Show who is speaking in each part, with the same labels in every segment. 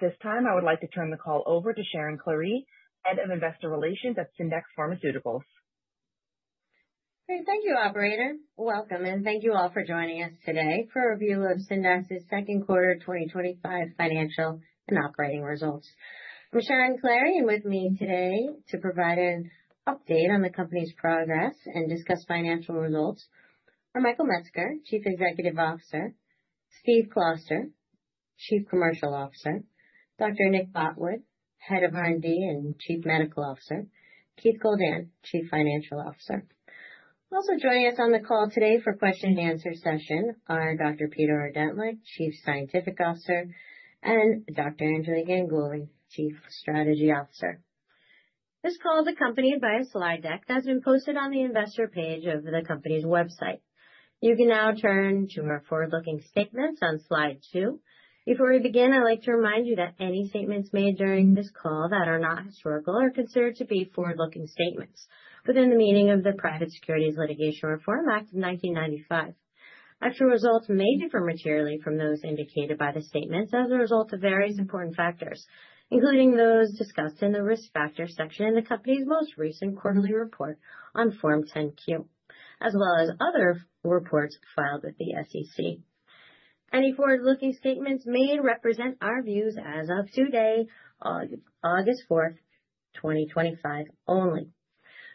Speaker 1: At this time I would like to turn the call over to Sharon Klahre, Head of Investor Relations at Syndax Pharmaceuticals.
Speaker 2: Great. Thank you, operator. Welcome and thank you all for joining us today for a review of Syndax's Second Quarter 2025 Financial and Operating Results. I'm Sharon Klahre and with me today to provide an update on the company's progress and discuss financial results are Michael Metzger, Chief Executive Officer, Steve Kloster, Chief Commercial Officer, Dr. Nick Botwood, Head of R&D and Chief Medical Officer, and Keith Goldan, Chief Financial Officer. Also joining us on the call today for the question and answer session are Dr. Peter Ordentlich, Chief Scientific Officer, and Anjali Ganguli, Chief Strategy Officer. This call is accompanied by a slide deck that's been posted on the investor page of the company's website. You can now turn to our forward-looking statements on slide 2. Before we begin, I'd like to remind you that any statements made during this call that are not historical are considered to be forward-looking statements within the meaning of the Private Securities Litigation Reform Act of 1995. Actual results may differ materially from those indicated by the statements as a result of various important factors including those discussed in the risk factors section in the company's most recent quarterly report on Form 10-Q as well as other reports filed with the SEC. Any forward-looking statements made represent our views as of today, August 4th, 2025 only.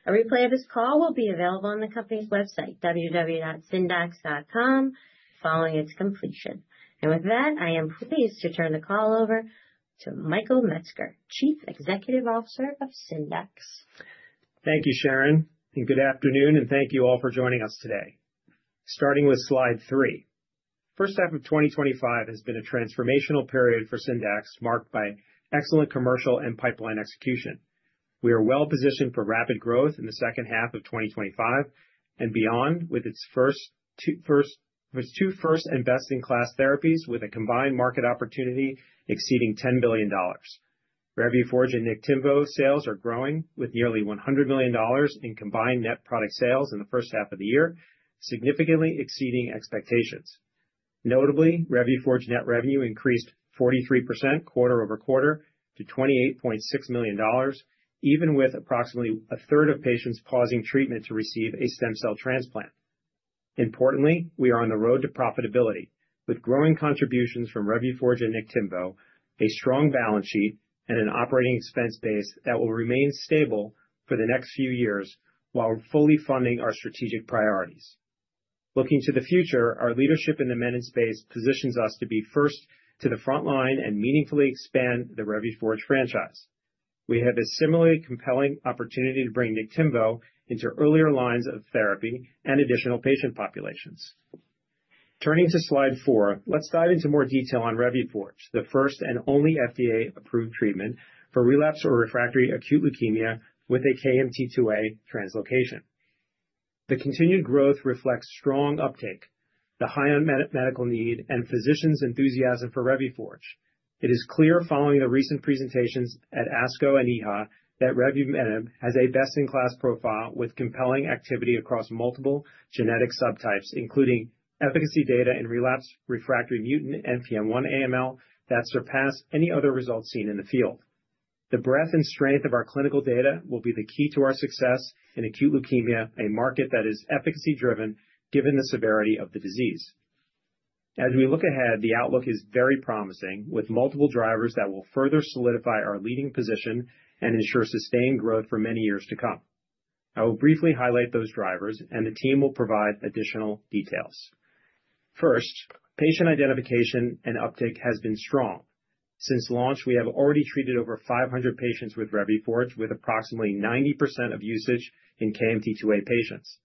Speaker 2: A replay of this call will be available on the company's website, www.syndax.com, following its completion and with that I am pleased to turn the call over to Michael Metzger, Chief Executive Officer of Syndax.
Speaker 3: Thank you, Sharon, and good afternoon, and thank you all for joining us today. Starting with slide 3, first half of 2025 has been a transformational period for Syndax marked by excellent commercial and pipeline execution. We are well positioned for rapid growth in the second half of 2025 and beyond with its first two first and best in class therapies with a combined market opportunity exceeding $10 billion. Revuforj and Niktimvo sales are growing with nearly $100 million in combined net product sales in the first half of the year, significantly exceeding expectations. Notably, Revuforj net revenue increased 43% quarter-over-quarter to $28.6 million, even with approximately a third of patients pausing treatment to receive a stem cell transplant. Importantly, we are on the road to profitability with growing contributions from Revuforj and Niktimvo, a strong balance sheet, and an operating expense base that will remain stable for the next few years while fully funding our strategic priorities. Looking to the future, our leadership in menin space positions us to be first to the frontline and meaningfully expand the Revuforj franchise. We have a similarly compelling opportunity to bring Niktimvo into earlier lines of therapy and additional patient populations. Turning to slide four, let's dive into more detail on Revuforj, the first and only FDA approved treatment for relapsed or refractory acute leukemia with a KMT2A translocation. The continued growth reflects strong uptake, the high unmet medical need, and physicians' enthusiasm for Revuforj. It is clear following the recent presentations at ASCO and EHA that revumenib has a best in class profile with compelling activity across multiple genetic subtypes, including efficacy data in relapsed/refractory mutant NPM1 AML that surpass any other results seen in the field. The breadth and strength of our clinical data will be the key to our success in acute leukemia, a market that is efficacy driven given the severity of the disease. As we look ahead, the outlook is very promising with multiple drivers that will further solidify our leading position and ensure sustained growth for many years to come. I will briefly highlight those drivers, and the team will provide additional details. First, patient identification and uptake has been strong since launch. We have already treated over 500 patients with Revuforj, with approximately 90% of usage in KMT2A patients.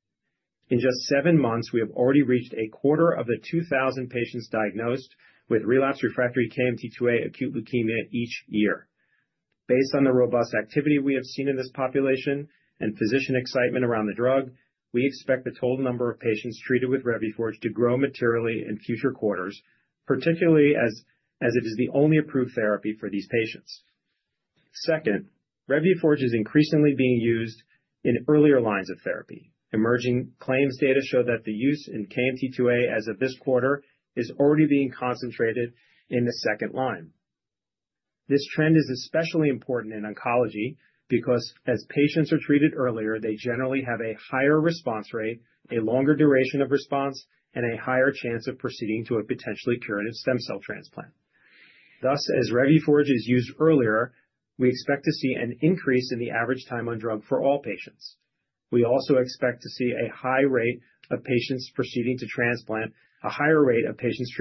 Speaker 3: In just seven months, we have already reached a quarter of the 2,000 patients diagnosed with relapsed/refractory KMT2A acute leukemia each year. Based on the robust activity we have seen in this population and physician excitement around the drug, we expect the total number of patients treated with Revuforj to grow materially in future quarters, particularly as it is the only approved therapy for these patients. Second, Revuforj is increasingly being used in earlier lines of therapy. Emerging claims data show that the use in KMT2A as of this quarter is already being concentrated in the second line. This trend is especially important in oncology because as patients are treated earlier they generally have a higher response rate, a longer duration of response, and a higher chance of proceeding to a potentially curative stem cell transplant. Thus, as Revuforj is used earlier, we expect to see an increase in the average time on drug for all patients. We also expect to see a high rate of patients proceeding to transplant, a higher rate of patients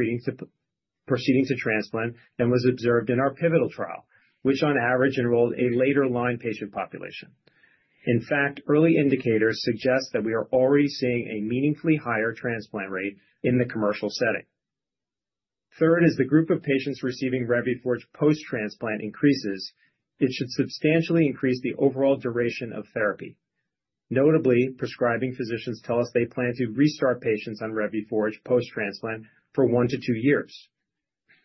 Speaker 3: proceeding to transplant than was observed in our pivotal trial, which on average enrolled a later line patient population. In fact, early indicators suggest that we are already seeing a meaningfully higher transplant rate in the commercial setting. Third, as the group of patients receiving Revuforj post-transplant increases, it should substantially increase the overall duration of therapy. Notably, prescribing physicians tell us they plan to restart patients on Revuforj post-transplant for 1-2 years.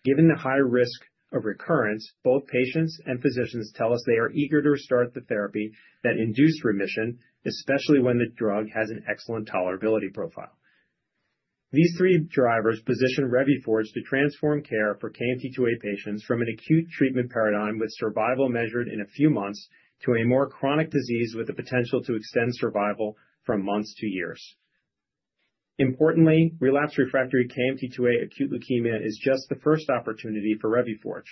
Speaker 3: Given the high risk of recurrence, both patients and physicians tell us they are eager to restart the therapy that induced remission, especially when the drug has an excellent tolerability profile. These three drivers position Revuforj to transform care for KMT2A patients from an acute treatment paradigm with survival measured in a few months to a more chronic disease with the potential to extend survival from months to years. Importantly, relapsed/refractory KMT2A acute leukemia is just the first opportunity for Revuforj.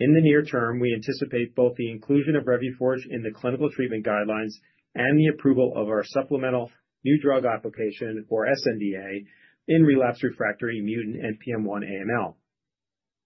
Speaker 3: In the near term, we anticipate both the inclusion of Revuforj in the clinical treatment guidelines and the approval of our supplemental New Drug Application, or sNDA, in relapsed/refractory mutant NPM1 AML.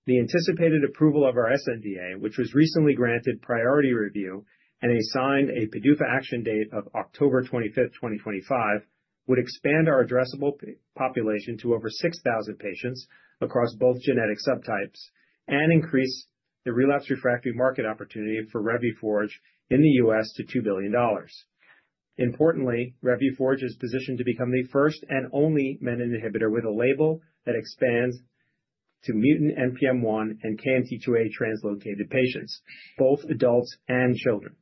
Speaker 3: The anticipated approval of our sNDA, which was recently granted priority review and assigned a PDUFA action date of October 25th, 2025, would expand our addressable population to over 6,000 patients across both genetic subtypes and increase the relapsed/refractory market opportunity for Revuforj in the U.S. to $2 billion. Importantly, Revuforj is positioned to become the first and menin inhibitor with a label that expands to mutant NPM1 and KMT2A translocated patients, both adults and children.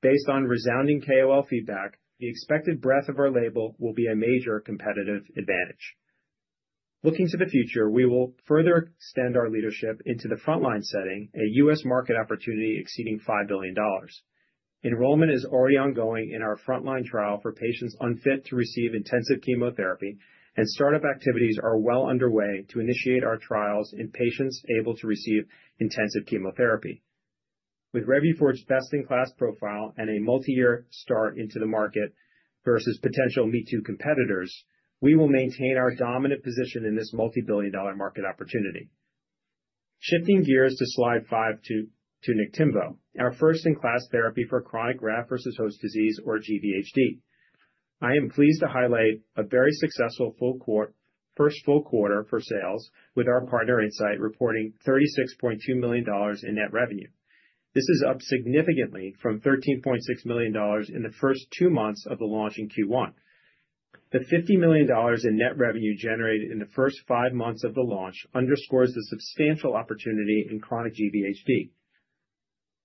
Speaker 3: Based on resounding KOL feedback, the expected breadth of our label will be a major competitive advantage. Looking to the future, we will further extend our leadership into the frontline setting, a U.S. market opportunity exceeding $5 billion. Enrollment is already ongoing in our frontline trial for patients unfit to receive intensive chemotherapy, and startup activities are well underway to initiate our trials in patients able to receive intensive chemotherapy. With Revuforj's best-in-class profile and a multi-year start into the market versus potential me-too competitors, we will maintain our dominant position in this multi-billion dollar market opportunity. Shifting gears to slide 5, to Niktimvo, our first-in-class therapy for chronic graft-versus-host disease, or GVHD, I am pleased to highlight a very successful first full quarter for sales, with our partner Incyte reporting $36.2 million in net revenue. This is up significantly from $13.6 million in the first two months of the launch in Q1. The $50 million in net revenue generated in the first five months of the launch underscores the substantial opportunity in chronic GVHD.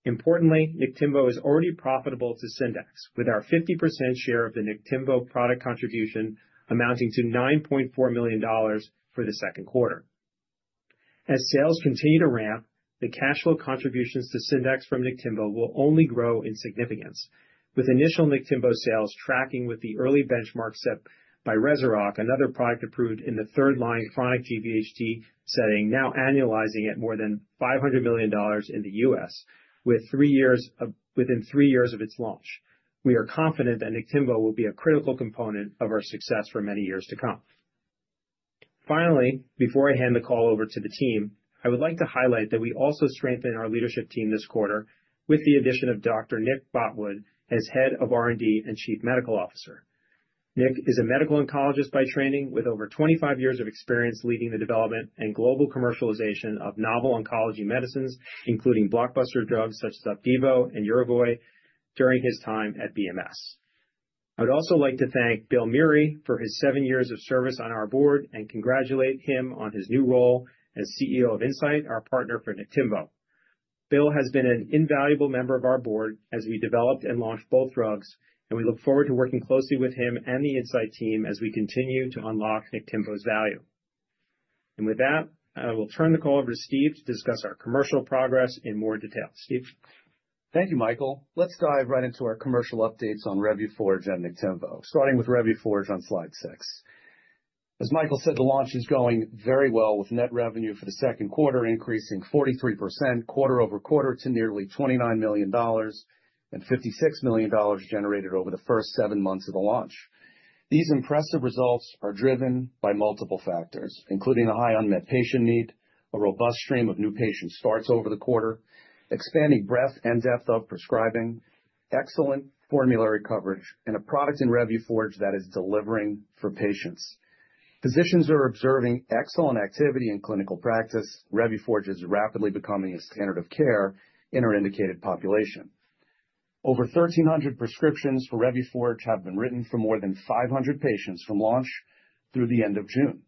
Speaker 3: Importantly, Niktimvo is already profitable to Syndax, with our 50% share of the Niktimvo product contribution amounting to $9.4 million for the second quarter. As sales continue to ramp, the cash flow contributions to Syndax from Niktimvo will only grow in significance, with initial Niktimvo sales tracking with the early benchmark set by REZUROCK, another product approved in the third-line chronic GVHD setting, now annualizing at more than $500 million in the U.S. within three years of its launch. We are confident that Niktimvo will be a critical component of our success for many years to come. Finally, before I hand the call over to the team, I would like to highlight that we also strengthened our leadership team this quarter with the addition of Dr. Nick Botwood as Head of R&D and Chief Medical Officer. Nick is a medical oncologist by training with over 25 years of experience leading the development and global commercialization of novel oncology medicines including blockbuster drugs such as Opdivo and Yervoy during his time at BMS. I would also like to thank Bill Meury for his seven years of service on our board and congratulate him on his new role as CEO of Incyte, our partner for Niktimvo. Bill has been an invaluable member of our board as we developed and launched both drugs, and we look forward to working closely with him and the Incyte team as we continue to unlock Niktimvo's value. With that, I will turn the call over to Steve to discuss our commercial progress in more detail. Steve.
Speaker 4: Thank you Michael. Let's dive right into our commercial updates on Revuforj and Niktimvo, starting with Revuforj on slide 6. As Michael said, the launch is going very well with net revenue for the second quarter increasing 43% quarter-over-quarter to nearly $29 million and $56 million generated over the first seven months of the launch. These impressive results are driven by multiple factors including a high unmet patient need, a robust stream of new patient starts over the quarter, expanding breadth and depth of prescribing, excellent formulary coverage, and a product in Revuforj that is delivering for patients. Physicians are observing excellent activity in clinical practice. Revuforj is rapidly becoming a standard of care in our indicated population. Over 1,300 prescriptions for Revuforj have been written for more than 500 patients from launch through the end of June.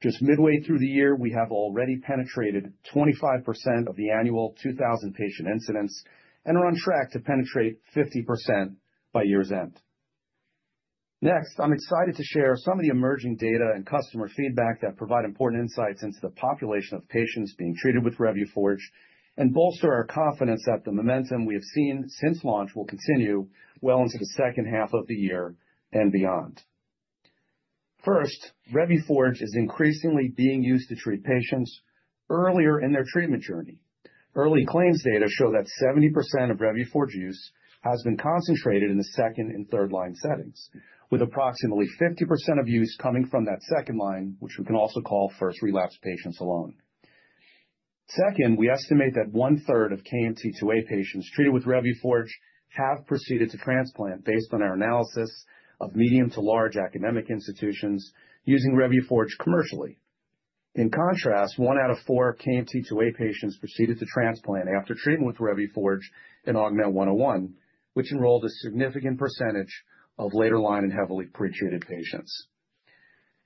Speaker 4: Just midway through the year, we have already penetrated 25% of the annual 2,000 patient incidence and are on track to penetrate 50% by year's end. Next, I'm excited to share some of the emerging data and customer feedback that provide important insights into the population of patients being treated with Revuforj and bolster our confidence that the momentum we have seen since launch will continue well into the second half of the year and beyond. First, Revuforj is increasingly being used to treat patients earlier in their treatment journey. Early claims data show that 70% of Revuforj use has been concentrated in the second and third line settings, with approximately 50% of use coming from that second line, which we can also call first relapse patients alone. Second, we estimate that one third of KMT2A patients treated with Revuforj have proceeded to transplant based on our analysis of medium to large academic institutions using Revuforj commercially. In contrast, one out of four KMT2A patients proceeded to transplant after treatment with Revuforj in AUGMENT-101, which enrolled a significant percentage of later line and heavily pretreated patients.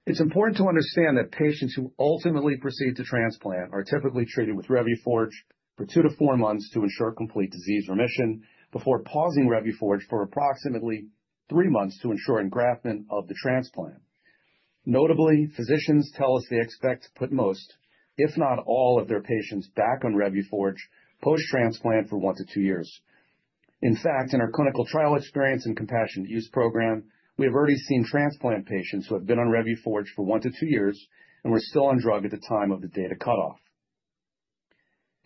Speaker 4: It's important to understand that patients who ultimately proceed to transplant are typically treated with Revuforj for two to four months to ensure complete disease remission before pausing Revuforj for approximately three months to ensure engraftment of the transplant. Notably, physicians tell us they expect to put most if not all of their patients back on Revuforj post-transplant for one to two years. In fact, in our clinical trial experience and compassionate use program, we have already seen transplant patients who have been on Revuforj for 1-2 years and were still on drug at the time of the data cutoff.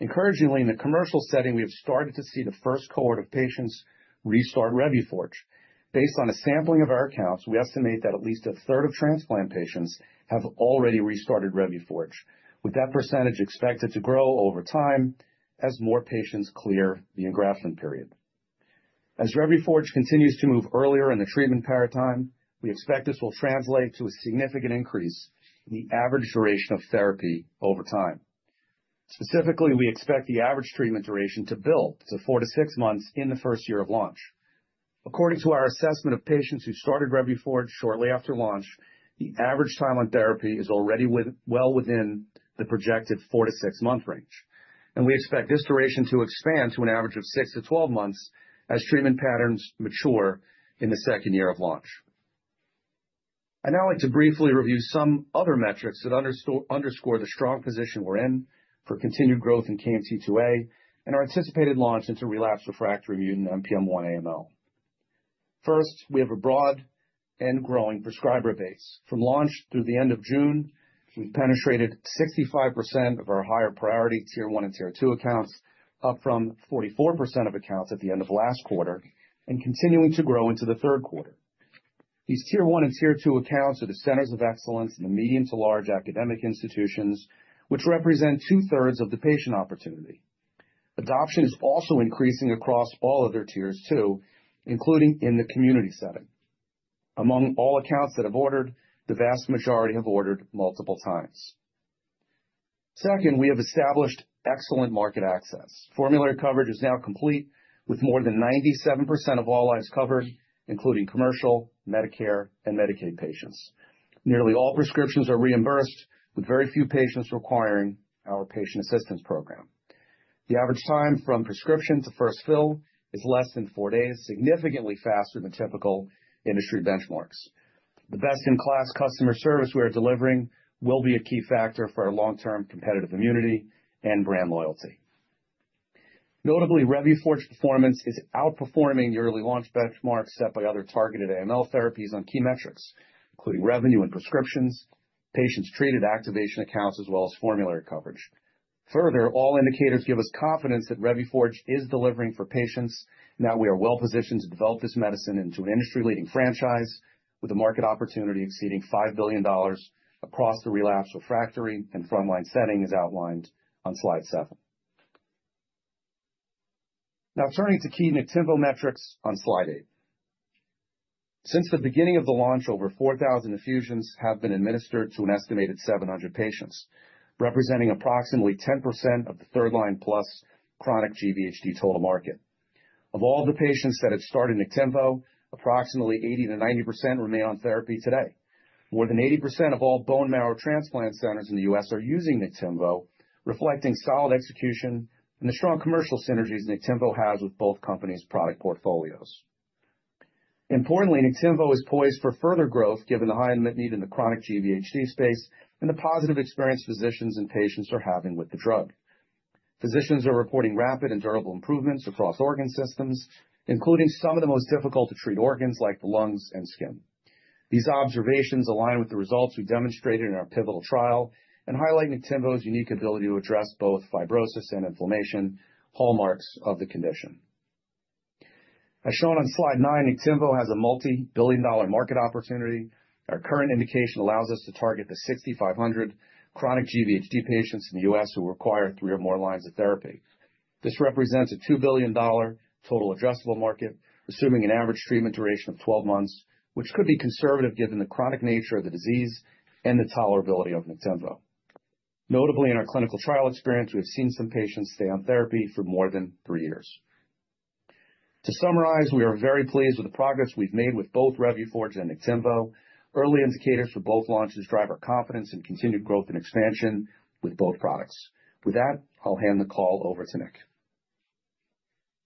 Speaker 4: Encouragingly, in the commercial setting we have started to see the first cohort of patients restart Revuforj. Based on a sampling of our accounts, we estimate that at least a 1/3 of transplant patients have already restarted Revuforj, with that percentage expected to grow over time as more patients clear the engraftment period. As Revuforj continues to move earlier in the treatment paradigm, we expect this will translate to a significant increase in the average duration of therapy over time. Specifically, we expect the average treatment duration to build to 4-6 months in the first year of launch. According to our assessment of patients who started Revuforj shortly after launch, the average time on therapy is already well within the projected 4-6 month range and we expect this duration to expand to an average of 6-12 months as treatment patterns mature in the second year of launch. I'd now like to briefly review some other metrics that underscore the strong position we're in for continued growth in KMT2A and our anticipated launch into relapsed/refractory mutant NPM1 AML. First, we have a broad and growing prescriber base. From launch through the end of June, we penetrated 65% of our higher priority Tier 1 and Tier 2 accounts, up from 44% of accounts at the end of last quarter and continuing to grow into the third quarter. These Tier 1 and Tier 2 accounts are the centers of excellence in the medium to large academic institutions which represent 2/3 of the patient opportunity. Adoption is also increasing across all other tiers too, including in the community setting. Among all accounts that have ordered, the vast majority have ordered multiple times. Second, we have established excellent market access. Formulary coverage is now complete with more than 97% of all lives covered, including Commercial, Medicare, and Medicaid patients. Nearly all prescriptions are reimbursed with very few patients requiring our patient assistance program. The average time from prescription to first fill is less than 4 days, significantly faster than typical industry benchmarks. The best in class customer service we are delivering will be a key factor for our long term competitive immunity and brand loyalty. Notably, Revuforj performance is outperforming yearly launch benchmarks set by other targeted AML therapies on key metrics including revenue and prescriptions, patients treated, activation accounts, as well as formulary coverage. Further, all indicators give us confidence that Revuforj is delivering for patients. Now we are well positioned to develop this medicine into an industry leading franchise with a market opportunity exceeding $5 billion across the relapsed, refractory and frontline setting as outlined on slide 7. Now turning to key Niktimvo metrics on slide 8. Since the beginning of the launch, over 4,000 infusions have been administered to an estimated 700 patients, representing approximately 10% of the third line plus chronic GVHD total market. Of all the patients that have started Niktimvo, approximately 80%-90% remain on therapy. Today, more than 80% of all bone marrow transplant centers in the U.S. are using Niktimvo, reflecting solid execution and the strong commercial synergies Niktimvo has with both companies' product portfolios. Importantly, Niktimvo is poised for further growth given the high unmet need in the. Chronic graft-versus-host disease space and the positive experience physicians and patients are having with the drug. Physicians are reporting rapid and durable improvements across organ systems, including some of the most difficult to treat organs like the lungs and skin. These observations align with the results we demonstrated in our pivotal trial and highlight Niktimvo's unique ability to address both fibrosis and inflammation hallmarks of the condition. As shown on slide 9, Niktimvo has a multi-billion dollar market opportunity. Our current indication allows us to target the 6,500 chronic graft-versus-host disease patients in the U.S. who require three or more lines of therapy. This represents a $2 billion total addressable market, assuming an average treatment duration of 12 months, which could be conservative given the chronic nature of the disease and the tolerability of Niktimvo. Notably, in our clinical trial experience, we have seen some patients stay on therapy for more than three years. To summarize, we are very pleased with the progress we've made with both Revuforj and Niktimvo. Early indicators for both launches drive our confidence and continued growth and expansion with both products. With that, I'll hand the call over to Nick.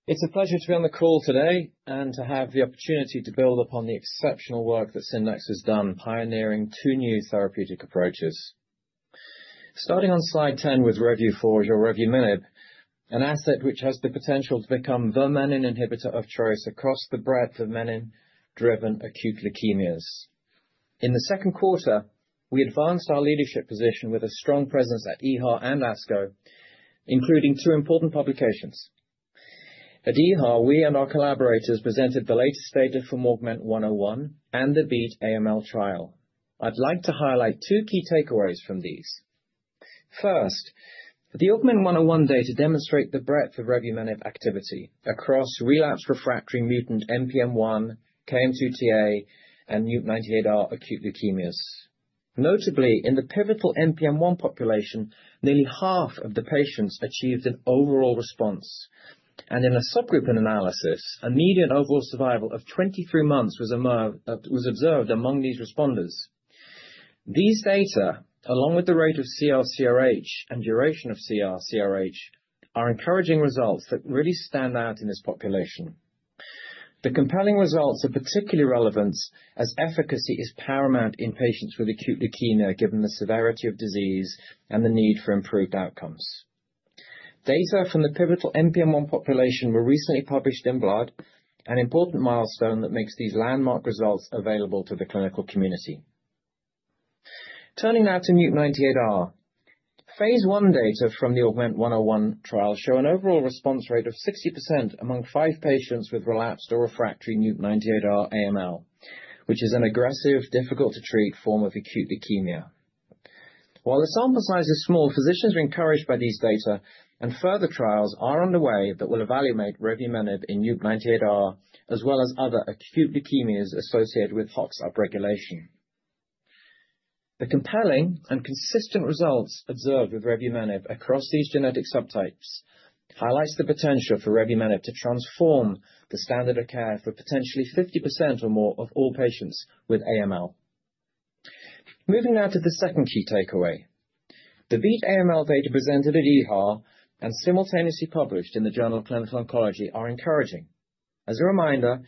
Speaker 5: It's a pleasure to be on the call today and to have the opportunity to build upon the exceptional work that Syndax has done, pioneering two new therapeutic approaches. Starting on slide 10 with Revuforj, revumenib, an asset which has the potential to become the meniin inhibitor of choice across the breadth of menin-driven acute leukemias. In the second quarter, we advanced our leadership position with a strong presence at EHA and ASCO, including two important publications. At EHA we and our collaborators presented the latest data for AUGMENT-101 and the Beat AML trial. I'd like to highlight two key takeaways from these. First, the AUGMENT-101 data demonstrate the breadth of revumenib activity across relapsed/refractory mutant NPM1, KMT2A, and mutant NUP98R acute leukemias. Notably, in the pivotal NPM1 population, nearly half of the patients achieved an overall response, and in a subgrouping analysis, a median overall survival of 23 months was observed among these responders. These data, along with the rate of CR, CRh and duration of CR, CRh, are encouraging results that really stand out in this population. The compelling results are particularly relevant as efficacy is paramount in patients with acute leukemia given the severity of disease and the need for improved outcomes. Data from the pivotal NPM1 population were recently published in Blood, an important milestone that makes these landmark results available to the clinical community. Turning now to NUP98R, phase I data from the AUGMENT-101 trial show an overall response rate of 60% among five patients with relapsed or refractory NUP98R AML, which is an aggressive, difficult-to-treat form of acute leukemia. While the sample size is small, physicians are encouraged by these data and further trials are underway that will evaluate revumenib in NUP98R as well as other acute leukemias associated with HOX upregulation. The compelling and consistent results observed with revumenib across these genetic subtypes highlight the potential for revumenib to transform the standard of care for potentially 50% or more of all patients with AML. Moving now to the second key takeaway, the Beat AML data presented at EHA and simultaneously published in the Journal of Clinical Oncology are encouraging. As a reminder,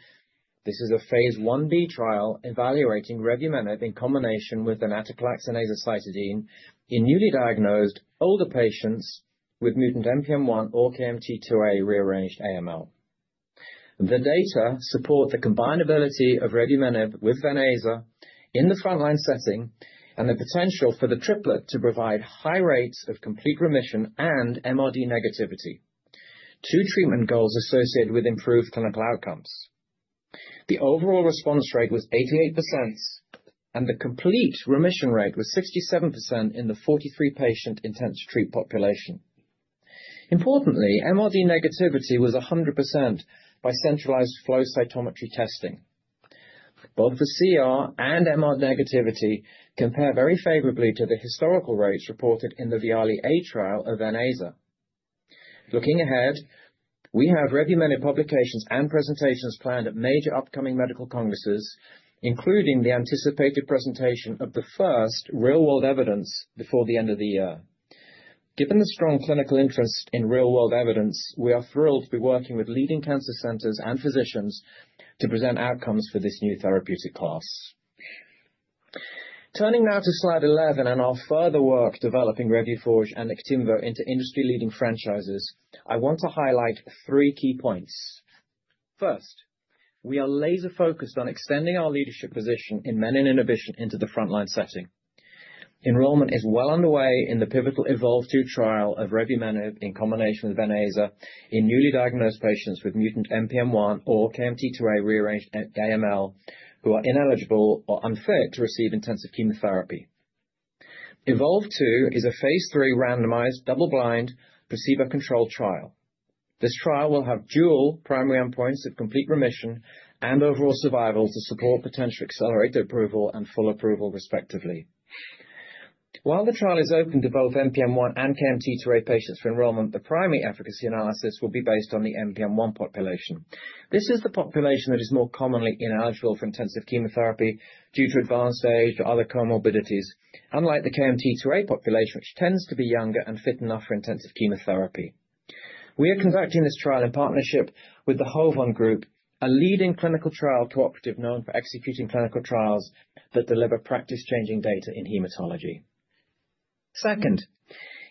Speaker 5: this is a phase I-B trial evaluating revumenib in combination with venetoclax and azacitidine in newly diagnosed older patients with mutant NPM1 or KMT2A-rearranged AML. The data support the combinability of revumenib with venetoclax in the frontline setting and the potential for the triplet to provide high rates of complete remission and MRD negativity, two treatment goals associated with improved clinical outcomes. The overall response rate was 88% and the complete remission rate was 67% in the 43 patient intensive treat population. Importantly, MRD negativity was 100% by centralized flow cytometry testing. Both the CR and MRD negativity compare very favorably to the historical rates reported in the VIALE-A trial of venetoclax. Looking ahead, we have many publications and presentations planned at major upcoming medical congresses, including the anticipated presentation of the first real world evidence before the end of the year. Given the strong clinical interest in real world evidence, we are thrilled to be working with leading cancer centers and physicians to present outcomes for this new therapeutic class. Turning now to slide 11 and our further work developing Revuforj and Niktimvo into industry leading franchises, I want to highlight three key points. First, we are laser focused on extending our leadership position in menin inhibition into the frontline setting. Enrollment is well underway in the pivotal EVOLVE-2 trial of revumenib in combination with venetoclax in newly diagnosed patients with mutant NPM1 or KMT2A-rearranged AML who are ineligible or unfit to receive intensive chemotherapy. EVOLVE-2 is a phase III randomized double blind placebo controlled trial. This trial will have dual primary endpoints of complete remission and overall survival to support potential accelerated approval and full approval respectively. While the trial is open to both NPM1 and KMT2A patients for enrollment, the primary efficacy analysis will be based on the NPM1 population. This is the population that is more commonly ineligible for intensive chemotherapy due to advanced age or other comorbidities, unlike the KMT2A population which tends to be younger and fit enough for intensive chemotherapy. We are conducting this trial in partnership with the HOVON Group, a leading clinical trial cooperative known for executing clinical trials that deliver practice changing data in hematology. Second,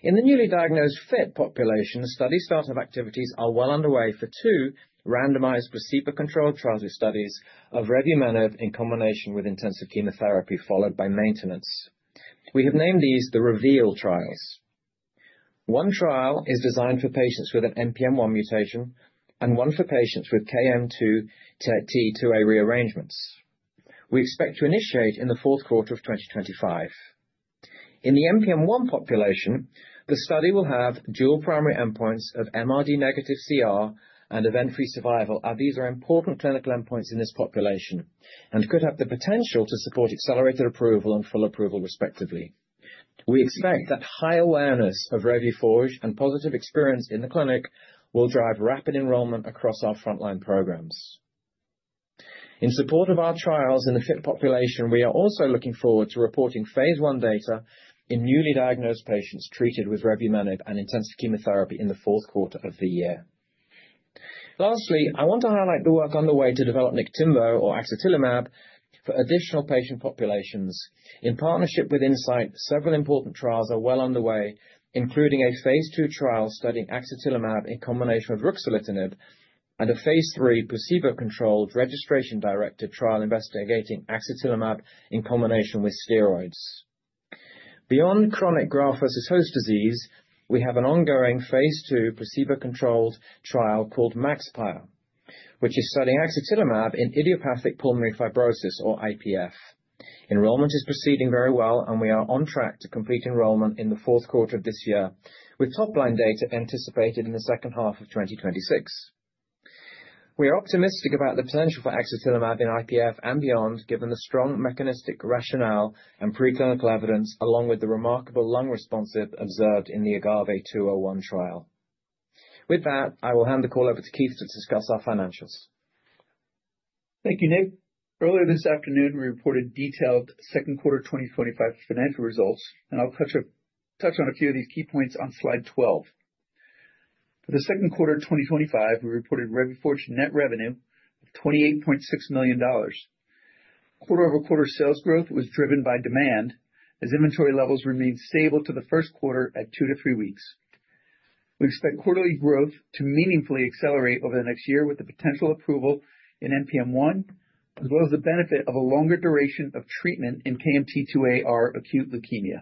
Speaker 5: in the newly diagnosed fit population study, startup activities are well underway for two randomized placebo controlled trials with studies of revumenib in combination with intensive chemotherapy followed by maintenance. We have named these the REVEAL trials. One trial is designed for patients with an NPM1 mutation and one for patients with KMT2A-rearrangements. We expect to initiate in the fourth quarter of 2025. In the NPM1 population, the study will have dual primary endpoints of MRD-negative CR and event-free survival. These are important clinical endpoints in this population and could have the potential to support accelerated approval and full approval respectively. We expect that high awareness of Revuforj and positive experience in the clinic will drive rapid enrollment across our frontline programs in support of our trials in the fit population. We are also looking forward to reporting phase I data in newly diagnosed patients treated with revumenib and intensive chemotherapy in the fourth quarter of the year. Lastly, I want to highlight the work underway to develop Niktimvo or axatilimab for additional patient populations. In partnership with Incyte several important trials are well underway, including a phase II trial studying axatilimab in combination with ruxolitinib and phase III placebo-controlled registration-directed trial investigating axatilimab in combination with steroids. Beyond chronic graft-versus-host disease We have an ongoing phase II placebo-controlled trial called MAXPURE, which is studying axatilimab in idiopathic pulmonary fibrosis or IPF. Enrollment is proceeding very well and we are on track to complete enrollment in the fourth quarter of this year with top-line data anticipated in the second half of 2026. We are optimistic about the potential for axatilimab in IPF and beyond, given the strong mechanistic rationale and preclinical evidence, along with the remarkable lung response observed in the AGAVE-201 trial. With that, I will hand the call over to Keith to discuss our financials.
Speaker 6: Thank you, Nick. Earlier this afternoon we reported detailed second quarter 2025 financial results and I'll touch on a few of these key points on slide 12. For the second quarter 2025 we reported Revuforj net revenue of $28.6 million. Quarter-over-quarter sale s growth was driven by demand as inventory levels remained stable to the first quarter at 2-3 weeks. We expect quarterly growth to meaningfully accelerate over the next year with the potential approval in NPM1 as well as the benefit of a longer duration of treatment in KMT2A-rearranged acute leukemia.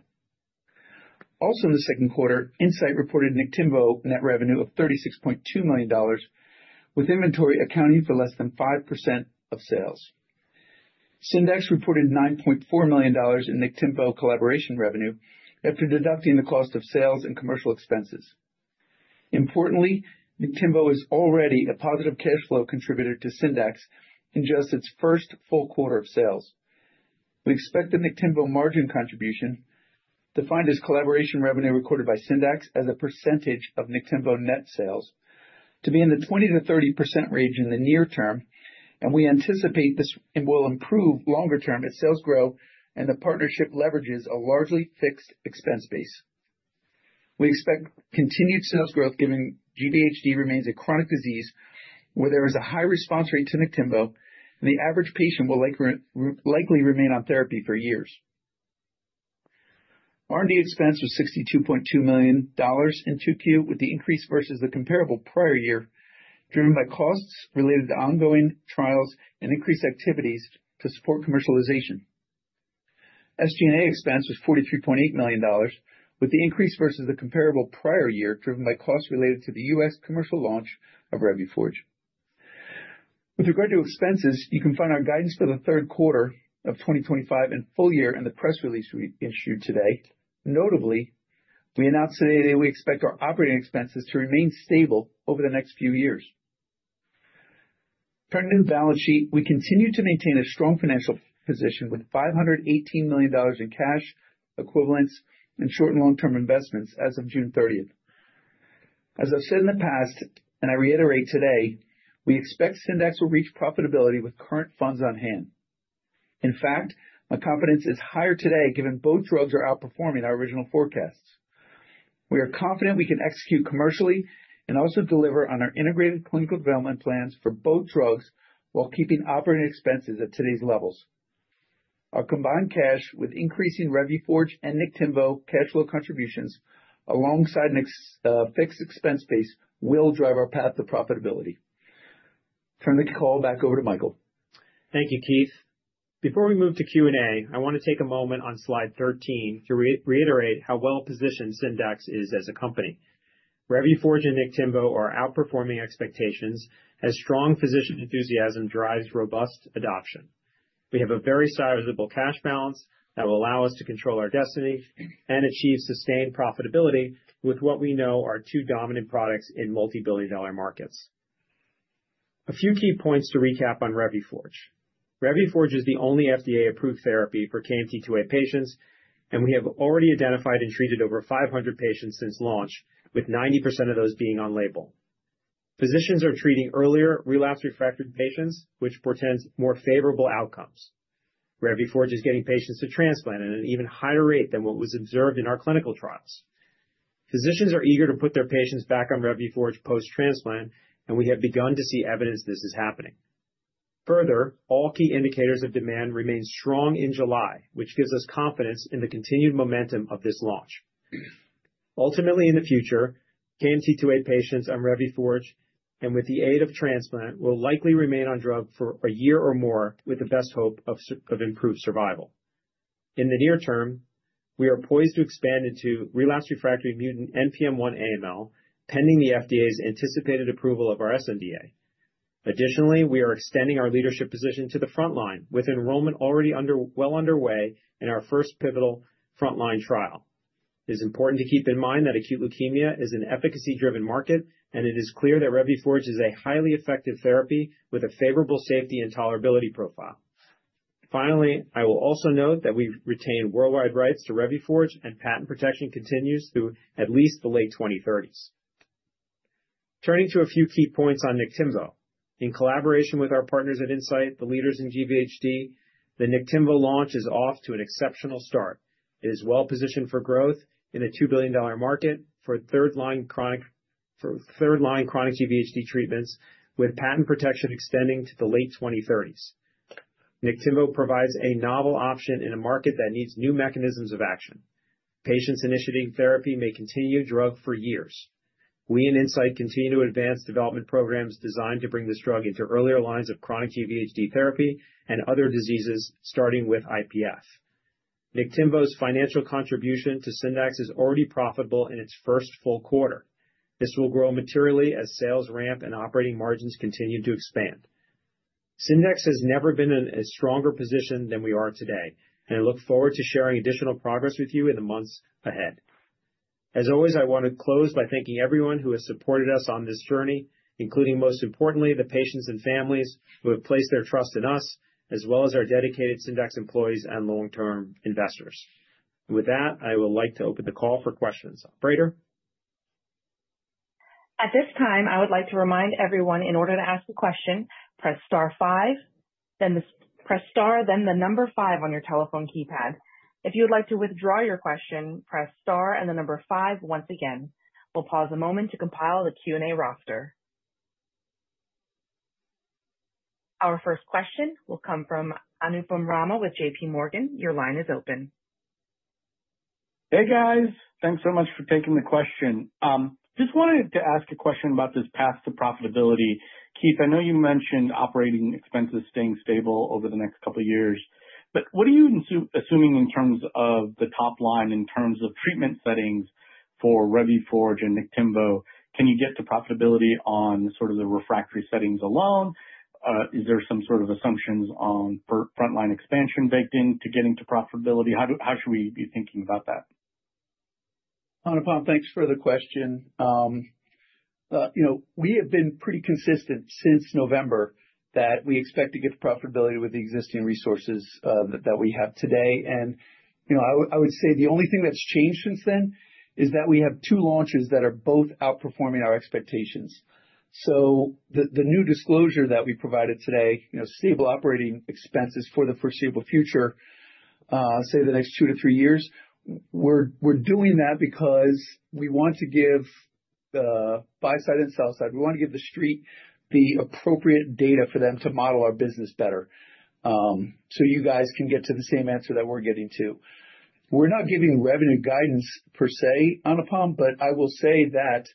Speaker 6: Also in the second quarter, Incyte reported Niktimvo net revenue of $36.2 million with inventory accounting for less than 5% of sales. Syndax reported $9.4 million in the Tempo collaboration revenue after deducting the cost of sales and commercial expenses. Importantly, Niktimvo is already a positive cash flow contributor to Syndax in just its First full quarter of sales. We expect the Niktimvo margin contribution, defined as collaboration revenue recorded by Syndax as a percentage of Niktimvo net sales, to be in the 20%-30% range in the near term, and we anticipate this will improve longer term as sales grow and the partnership leverages a largely fixed expense base. We expect continued sales growth given chronic graft-versus-host disease remains a chronic disease where there is a high response rate to Niktimvo, the average patient will likely remain on therapy for years. R&D expense was $62.2 million in 2Q with the increase versus the comparable prior year driven by costs related to ongoing trials and increased activities to support commercialization. SG&A expense was $43.8 million with the increase versus the comparable prior year driven by costs related to the U.S. commercial launch of Revuforj. With regard to expenses, you can find our guidance for the third quarter of 2025 and full year in the press release we issued today. Notably, we announced today that we expect our operating expenses to remain stable over the next few years. Turning to the balance sheet, we continue to maintain a strong financial position with $518 million in cash equivalents and short and long term investments as of June 30th. As I've said in the past and I reiterate today, we expect Syndax will reach profitability with current funds on hand. In fact, my confidence is higher today given both drugs are outperforming our original forecasts. We are confident we can execute commercially and also deliver on our integrated clinical development plans for both drugs while keeping operating expenses at today's levels. Our combined cash with increasing Revuforj and Niktimvo cash flow contributions alongside a fixed expense base will drive our path to profitability. Turn the call back over to Michael.
Speaker 3: Thank you, Keith. Before we move to Q&A, I want to take a moment on slide 13 to reiterate how well positioned Syndax is as a company. Revuforj and Niktimvo are outperforming expectations as strong physician enthusiasm drives robust adoption. We have a very sizable cash balance that will allow us to control our destiny and achieve sustained profitability with what we know are two dominant products in multi-billion dollar markets. A few key points to recap on Revuforj: Revuforj is the only FDA approved therapy for KMT2A patients and we have already identified and treated over 500 patients since launch with 90% of those being on label. Physicians are treating earlier relapsed/refractory patients, which portends more favorable outcomes. Revuforj is getting patients to transplant at an even higher rate than what was observed in our clinical trials. Physicians are eager to put their patients back on Revuforj post-transplant and we have begun to see evidence this is happening. Further, all key indicators of demand remain strong in July, which gives us confidence in the continued momentum of this launch. Ultimately, in the future, KMT2A patients on Revuforj and with the aid of transplant will likely remain on drug for a year or more with the best hope of improved survival in the near term. We are poised to expand into relapsed/refractory mutant NPM1 AML, pending the FDA's anticipated approval of our sNDA. Additionally, we are extending our leadership position to the frontline. With enrollment already well underway in our first pivotal frontline trial, it is important to keep in mind that acute leukemia is an efficacy-driven market and it is clear that Revuforj is a highly effective therapy with a favorable safety and tolerability profile. Finally, I will also note that we retain worldwide rights to Revuforj and patent protection continues through at least the late 2030s. Turning to a few key points on Niktimvo, in collaboration with our partners at Incyte, the leaders in GVHD, the Niktimvo launch is off to an exceptional start. It is well positioned for growth in a $2 billion market for third-line chronic GVHD treatments. With patent protection extending to the late 2030s, Niktimvo provides a novel option in a market that needs new mechanisms of action. Patients initiating therapy may continue drug for years. We and Incyte continue to advance development programs designed to bring this drug into earlier lines of chronic GVHD therapy and other diseases, starting with IPF. Niktimvo's financial contribution to Syndax is already profitable in its first full quarter. This will grow materially as sales ramp and operating margins continue to expand. Syndax has never been in a stronger position than we are today and look forward to sharing additional progress with you in the months ahead. As always, I want to close by thanking everyone who has supported us on this journey, including most importantly, the patients and families who have placed their trust in us as well as our dedicated Syndax employees and long term investors. With that I would like to open the call for questions, Operator.
Speaker 1: At this time I would like to remind everyone in order to ask a question, press star then the number five on your telephone keypad. If you would like to withdraw your question, press star and the number five. Once again, we'll pause a moment to compile the Q&A roster. Our first question will come from Anupam Rama with JPMorgan. Your line is open.
Speaker 7: Hey guys, thanks so much for taking the question. Just wanted to ask a question about this path to profitability. Keith, I know you mentioned operating expenses staying stable over the next couple of years, but what are you assuming in terms of the top line, in terms of treatment settings for Revuforj and Niktimvo, can you get to profitability on sort of the refractory settings alone? Is there some sort of assumptions on frontline expansion baked into getting to profitability? How should we be thinking about that?
Speaker 6: Thanks for the question. We have been pretty consistent since November that we expect to get to profitability with the existing resources that we have today. I would say the only thing that's changed since then is that we have two launches that are both outperforming our expectations. The new disclosure that we provided today is stable operating expenses for the foreseeable future, say the next two to three years. We are doing that because we want to give the buy side and sell side, we want to give the street the appropriate data for them to model our business better so you guys can get to the same answer that we're getting to. We're not giving revenue guidance per se on a Palm. I will say that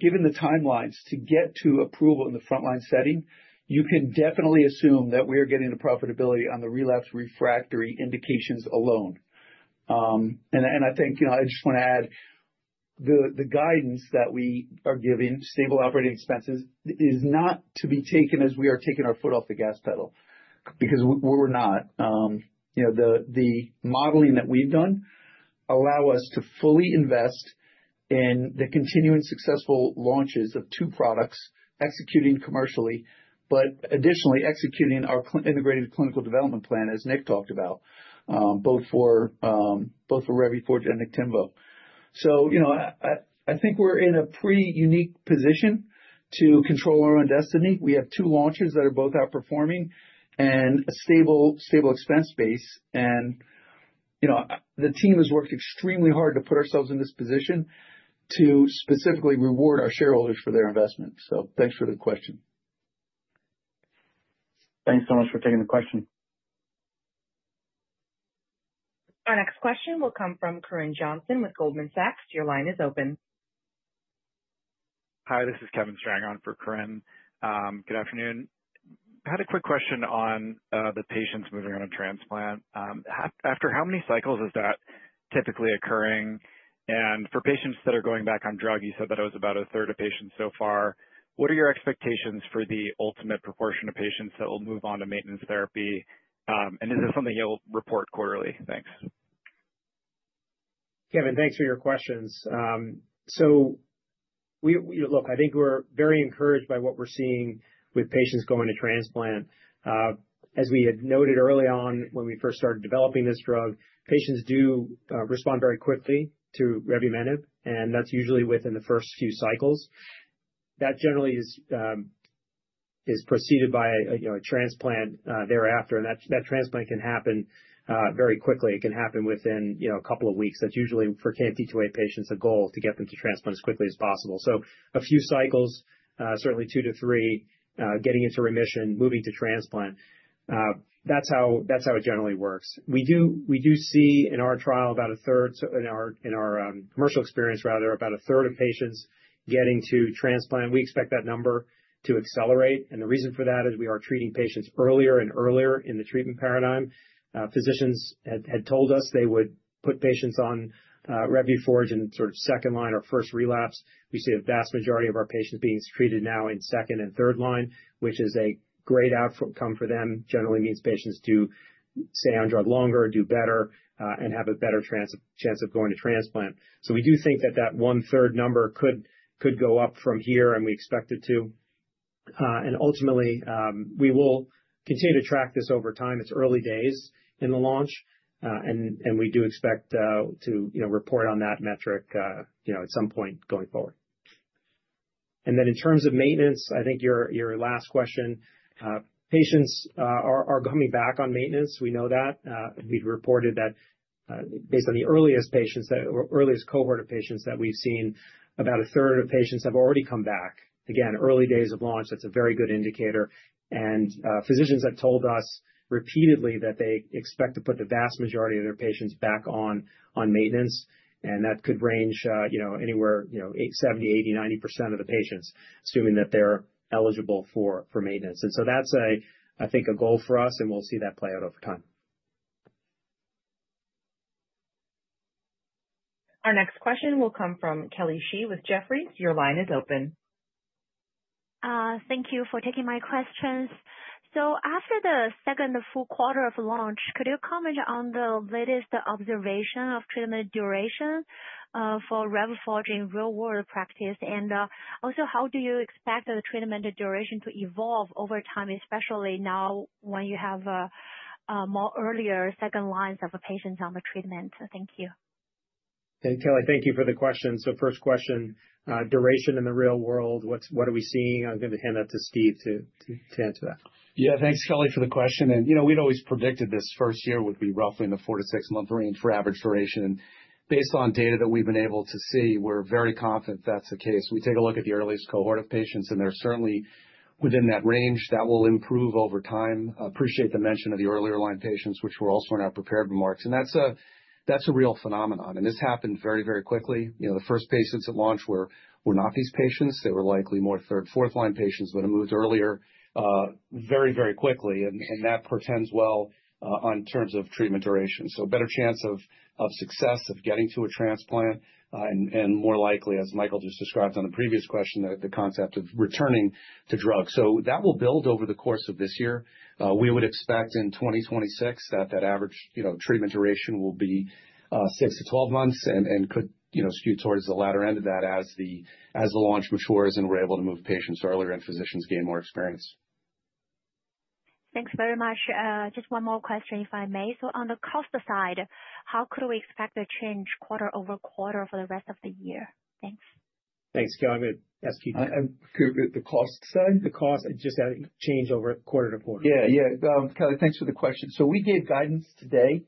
Speaker 6: given the timelines to get to approval in the frontline setting, you can definitely assume that we are getting to profitability on the relapsed/refractory indications alone. I think I just want to add the guidance that we are giving, stable operating expenses, is not to be taken as we are taking our foot off the gas pedal because we're not. The modeling that we've done allows us to fully invest in the continuing successful launches of two products executing commercially but additionally executing our integrated clinical development plan as Nick talked about both for Revuforj and Niktimvo. I think we're in a pretty unique position to control our own destiny. We have two launches that are both outperforming and a stable expense base. The team has worked extremely hard to put ourselves in this position to specifically reward our shareholders for their investment. Thanks for the question.
Speaker 7: Thanks so much for taking the question.
Speaker 1: Our next question will come from Corinne Johnson with Goldman Sachs. Your line is open.
Speaker 8: Hi, this is Kevin Strang on for Corinne. Good afternoon. I had a quick question on the patients moving on a transplant. After how many cycles is that typically occurring, and for patients that are going back on drug, you said that it was about a 1/3 of patients so far. What are your expectations for the ultimate proportion of patients that will move on to maintenance therapy? Is this something you'll report quarterly? Thanks.
Speaker 3: Kevin. Thanks for your questions. I think we're very encouraged by what we're seeing with patients going to transplant. As we had noted early on when we first started developing this drug, patients do respond very quickly to revumenib, and that's usually within the first few cycles. That generally is preceded by a transplant thereafter. That transplant can happen very quickly. It can happen within a couple of weeks. That's usually for KMT2A patients a goal to get them to transplant as quickly as possible. A few cycles, certainly two to three, getting into remission, moving to transplant. That's how it generally works. We do see in our trial about a third, in our commercial experience, rather, about a third of patients getting to transplant. We expect that number to accelerate. The reason for that is we are treating patients earlier and earlier in the treatment paradigm. Physicians had told us they would put patients on Revuforj in sort of second line or first relapse. We see a vast majority of our patients being treated now in second and third line, which is a great outcome for them. Generally needs patients to stay on drug longer, do better, and have a better chance of going to transplant. We do think that that one third number could go up from here and we expect it to ultimately, we will continue to track this over time. It's early days in the launch and we do expect to report on that metric at some point going forward. In terms of maintenance, I think your last question, patients are coming back on maintenance. We know that. We've reported that based on the earliest patients, earliest cohort of patients that we've seen, about a 1/3 of patients have already come back, again early days of launch. That's a very good indicator. Physicians have told us repeatedly that they expect to put the vast majority of their patients back on maintenance. That could range anywhere, 70%, 80%, 90% of the patients assuming that they're eligible for maintenance. That's, I think, a goal for us and we'll see that play out over time.
Speaker 1: Our next question will come from Kelly Shi with Jefferies. Your line is open.
Speaker 9: Thank you for taking my questions. After the second full quarter of launch, could you comment on the latest observation of treatment duration for Revuforj in real world practice, and also how do you expect the treatment duration to evolve over time, especially now when you have more earlier second lines of patients on the treatment? Thank you.
Speaker 3: Kelly. Thank you for the question. First question, duration in the real world, what are we seeing? I'm going to hand that to Steve to answer that.
Speaker 4: Yeah, thanks Kelly, for the question. You know, we'd always predicted this first year would be roughly in the four to six month range for average duration, and based on data that we've been able to see, we're very confident that's the case. We take a look at the earliest cohort of patients, and they're certainly within that range that will improve over time. Appreciate the mention of the earlier line patients, which were also in our prepared remarks, and that's a real phenomenon. This happened very, very quickly. The first patients at launch were not these patients. They were likely more third, fourth line patients, but it moved earlier very, very quickly. That portends well in terms of treatment duration. Better chance of success of getting to a transplant and more likely, as Michael just described on the previous question, the concept of returning to drugs. That will build over the course of this year. We would expect in 2026 that that average treatment duration will be six to 12 months and could skew towards the latter end of that as the launch matures and we're able to move patients earlier and physicians gain more experience.
Speaker 9: Thanks very much. Just one more question if I may. On the cost side, how could we expect a change quarter-over-quarter for the rest of the year? Thanks.
Speaker 3: Thanks Kelly.
Speaker 6: I'm going to ask you the cost side.
Speaker 3: The costs just change over quarter-to-quarter.
Speaker 6: Yeah. Yeah, Kelly, thanks for the question. We gave guidance today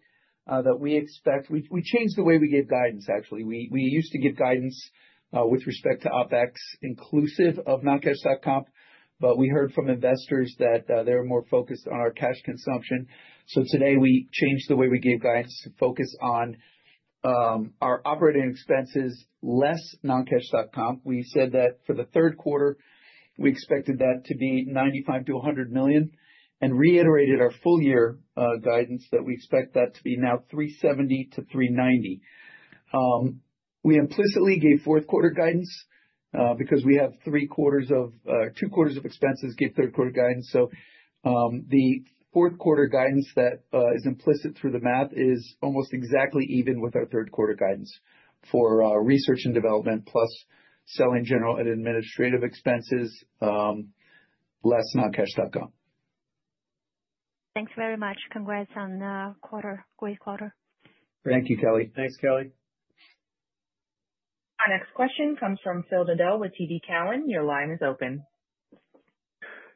Speaker 6: that we expect—we changed the way we gave guidance. Actually, we used to give guidance with respect to OpEx inclusive of non-cash, but we heard from investors that they were more focused on our cash consumption. Today we changed the way we gave guidance to focus on our operating expenses less non-cash. We said that for the third quarter we expected that to be $95 million-$100 million and reiterated our full year guidance that we expect that to be now $370 million-$390 million. We implicitly gave fourth quarter guidance because we have two quarters of expenses, give third quarter guidance. The fourth quarter guidance that is implicit through the math is almost exactly even with our third quarter guidance for research and development plus selling, general, and administrative expenses less non-cash.
Speaker 9: Thanks very much. Congrats on the quarter. Great quarter.
Speaker 6: Thank you, Kelly.
Speaker 3: Thanks Kelly.
Speaker 1: Our next question comes from Phil Dodell with TD Cowen. Your line is open.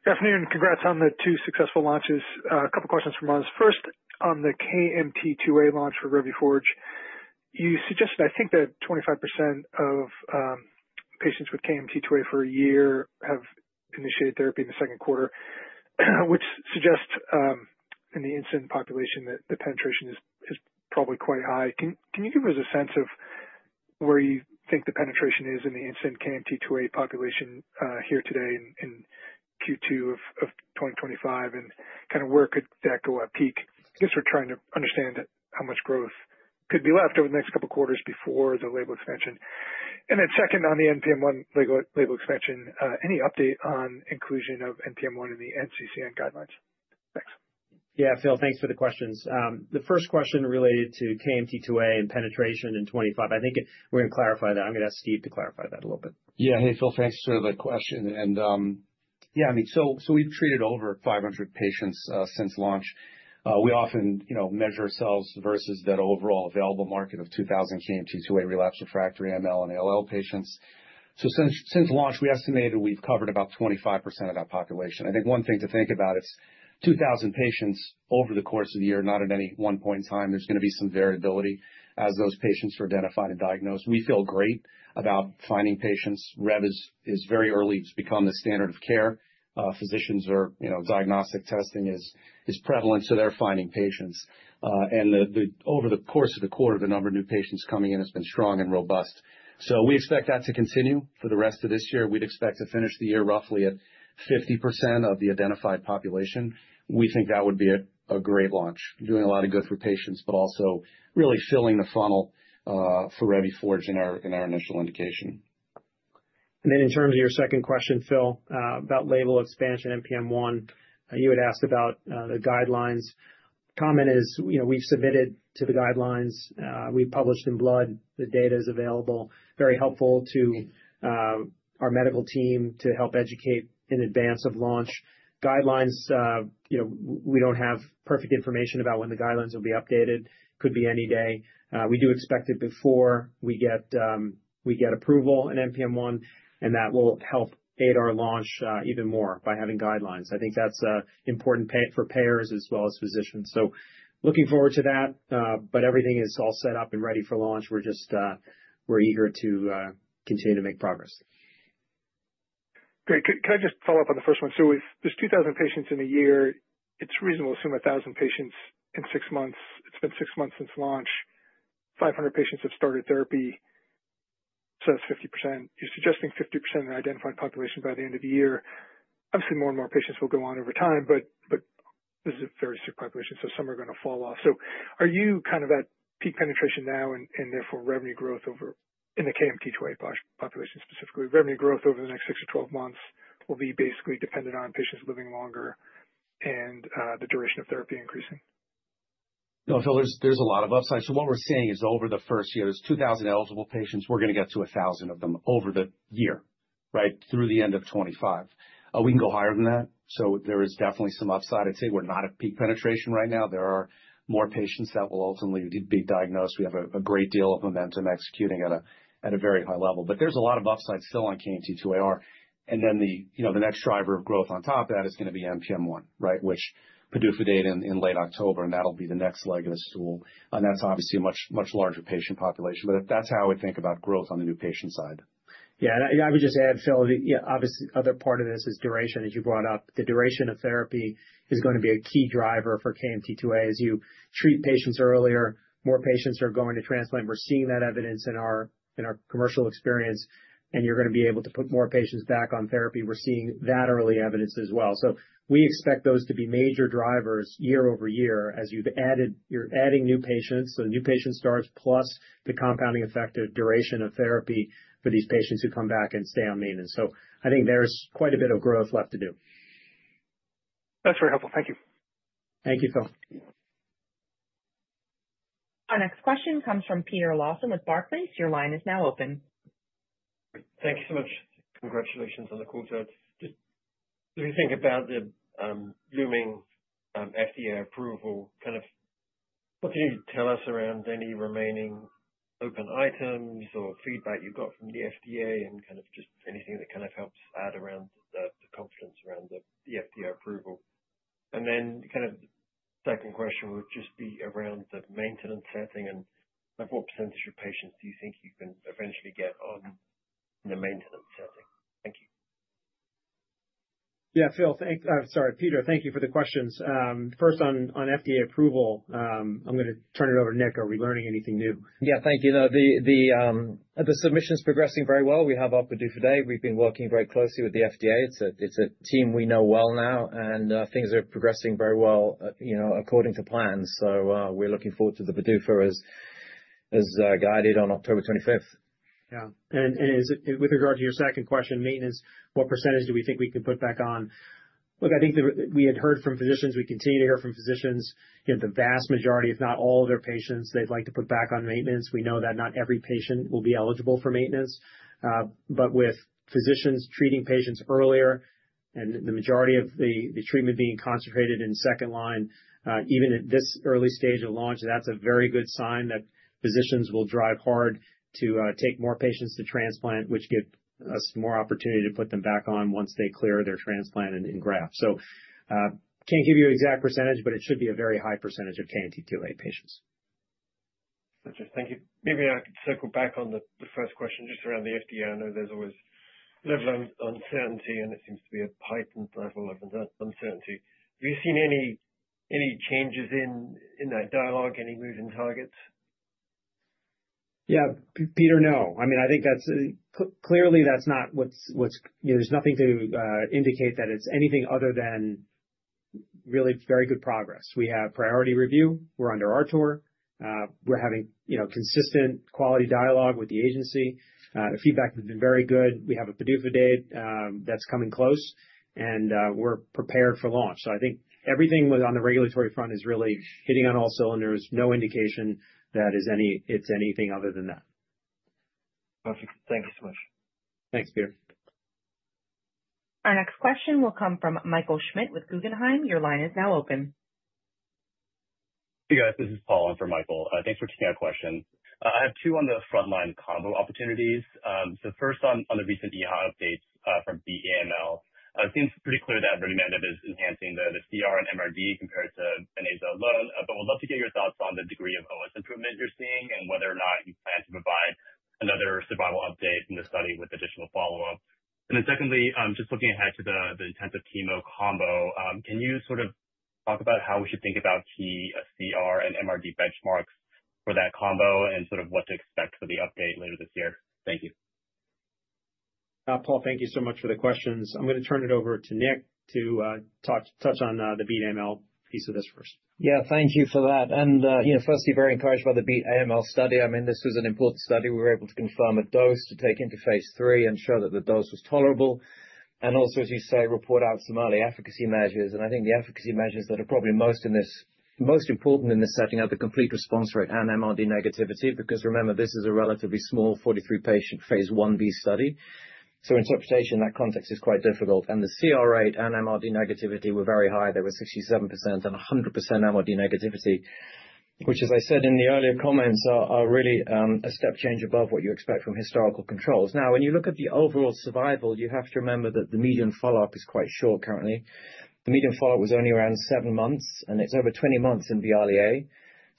Speaker 10: Good afternoon. Congrats on the two successful launches. A couple questions from us. First on the KMT2A launch for Revuforj, you suggested, I think, that 25% of patients with KMT2A for a year have initiated therapy in the second quarter, which suggests in the incident population that the penetration is probably quite high. Can you give us a sense of where you think the penetration is in the incident KMT2A population here today in Q2 of 2025 and kind of where could that go at peak? I guess we're trying to understand how much growth could be left over the next couple quarters before the label expansion. Second, on the NPM1 label expansion, any update on inclusion of NPM1 in the NCCN guidelines?
Speaker 3: Yeah, Phil, thanks for the questions. The first question related to KMT2A and penetration in 2025, I think we're going to clarify that. I'm going to ask Steve to clarify that a little bit.
Speaker 4: Yeah. Hey Phil, thanks for the question. Yeah, I mean, we've treated over 500 patients since launch. We often measure ourselves versus that overall available market of 2,000 KMT2A-relapsed/refractory AML and ALL patients. Since launch, we estimated we've covered about 25% of that population. I think one thing to think about is 2,000 patients over the course of the year, not at any one point in time. There's going to be some variability as those patients are identified and diagnosed. We feel great about finding patients. Revuforj is very early. It's become the standard of care. Physicians are, you know, diagnostic testing is prevalent, so they're finding patients. Over the course of the quarter, the number of new patients coming in has been strong and robust. We expect that to continue for the rest of this year. We'd expect to finish the year roughly at 50% of the identified population. We think that would be a great launch, doing a lot of good for patients, but also really filling the funnel for Revuforj in our initial indication.
Speaker 3: In terms of your second question, Phil, about label expansion, NPM1, you had asked about the guidelines. Comment is, you know, we've submitted to the guidelines, we published in Blood. The data is available. Very helpful to our medical team to help educate in advance of launch guidelines. We don't have perfect information about when the guidelines will be updated. Could be any day. We do expect it before we get approval in NPM1, and that will help aid our launch even more by having guidelines. I think that's important for payers as well as physicians. Looking forward to that. Everything is all set up and ready for launch. We're just eager to continue to make progress.
Speaker 10: Great. Can I just follow up on the first one? There's 2,000 patients in a year. It's reasonable. Assume 1,000 patients in six months. It's been six months since launch. 500 patients have started therapy. It's 50%. You're suggesting 50% of the identified population by the end of the year. Obviously, more and more patients will go on over time, but this is a very sick population, so some are going to fall off. Are you kind of at peak penetration now? Therefore, revenue growth over in the KMT2A population, specifically revenue growth over the next 6-12 months, will be basically dependent on patients living longer and the duration of therapy increasing.
Speaker 4: Phil, there's a lot of upside. What we're saying is over the first year, there's 2,000 eligible patients. We're going to get to 1,000 of them over the year, right through the end of 2025. We can go higher than that. There is definitely some upside. I'd say we're not at peak penetration right now. There are more patients that will ultimately be diagnosed. We have a great deal of momentum executing at a very high level. There is a lot of upside still on KMT2A. The next driver of growth on top of that is going to be NPM1. Right. the PDUFA date in late October, that'll be the next leg of the stool. That's obviously a much larger patient population, but that's how I would think about growth on the new patient side.
Speaker 3: Yeah. I would just add, Phil, obviously other part of this is duration. As you brought up, the duration of therapy is going to be a key driver for KMT2A. As you treat patients earlier, more patients are going to transplant. We're seeing that evidence in our commercial experience. You're going to be able to put more patients back on therapy. We're seeing that early evidence as well. We expect those to be major drivers year-over-year. As you've added, you're adding new patients, so new patient starts, plus the compounding effect of duration of therapy for these patients who come back and stay on mean. I think there's quite a bit of growth left to do.
Speaker 10: That's very helpful. Thank you.
Speaker 3: Thank you, Phil.
Speaker 1: Our next question comes from Peter Lawson with Barclays. Your line is now open.
Speaker 11: Thank you so much. Congratulations on the call to think about the looming FDA approval. What can you tell us around any remaining open items or feedback you've got from the FDA and anything that helps add around the confidence around the FDA approval? The second question would just be around the maintenance setting and what percentage of patients do you think you can eventually get on the maintenance setting? Thank you.
Speaker 3: Yeah, Phil, thank you. Sorry, Peter, thank you for the questions. First, on FDA approval, I'm going to turn it over to Nick. Are we learning anything new?
Speaker 5: Yeah. Thank you. The submission is progressing very well. We have our PDUFA day. We've been working very closely with the FDA. It's a team we know well now, and things are progressing very well according to plan. We're looking forward to the PDUFA as guided on October 25th.
Speaker 3: Yeah. With regard to your second question, maintenance, what percentage do we think we can put back on? I think we had heard from physicians, we continue to hear from physicians, the vast majority, if not all of their patients, they'd like to put back on maintenance. We know that not every patient will be eligible for maintenance, but with physicians treating patients earlier and the majority of the treatment being concentrated in second line, even at this early stage of launch, that's a very good sign that physicians will drive hard to take more patients to transplant, which gives us more opportunity to put them back on once they clear their transplant and graft. I can't give you exact percentage, but it should be a very high percentage of patients.
Speaker 11: Thank you. Maybe I circle back on the first question just around the FDA. I know there's always level of uncertainty, and it seems to be a pipe and level of uncertainty. Have you seen any changes in that dialogue, any moving targets?
Speaker 3: Yeah, Peter, I think that's clearly, that's not what's. There's nothing to indicate that it's anything other than really very good progress. We have priority review. We're under our tour. We're having consistent quality dialogue with the agency. The feedback has been very good. We have a PDUFA date that's coming close and we're prepared for launch. I think everything on the regulatory front is really hitting on all cylinders. No indication that it's anything other than that.
Speaker 11: Perfect. Thank you so much.
Speaker 3: Thanks, Peter.
Speaker 1: Our next question will come from Michael Schmidt with Guggenheim. Your line is now open.
Speaker 12: Hey guys, this is Paul. I'm from Michael. Thanks for taking a question. I have two on the frontline combo opportunities. First, on the recent EHA updates from the AML, it seems pretty clear that revumenib is enhancing the CR and MRD compared to venetoclax alone. We'd love to get your thoughts on the degree of OS improvement you're seeing and whether or not you plan to provide another survival update in the study with additional follow up. Secondly, just looking ahead to the intensive chemo combo, can you sort of talk about how we should think about CR and MRD benchmarks for that combo and what to expect for the update later this year? Thank you,
Speaker 3: Paul. Thank you so much for the questions. I'm going to turn it over to Nick to touch on the Beat AML. Piece of this first.
Speaker 5: Yeah, thank you for that. Firstly, very encouraged by the Beat AML study. I mean, this was an important study. We were able to confirm a dose to take into phase III and show that the dose was tolerable and also, as you say, report out some early efficacy measures. I think the efficacy measures that are probably most important in this setting are the complete response rate and MRD negativity. Because remember, this is a relatively small 43 patient phase I-B study, so interpretation in that context is quite difficult. The CR rate and MRD negativity were very high. There were 67% and 100% MRD negativity, which as I said in the earlier comments, are really a step change above what you expect from historical controls. Now, when you look at the overall survival, you have to remember that the median follow-up is quite short. Currently, the median follow-up was only around seven months and it's over 20 months in the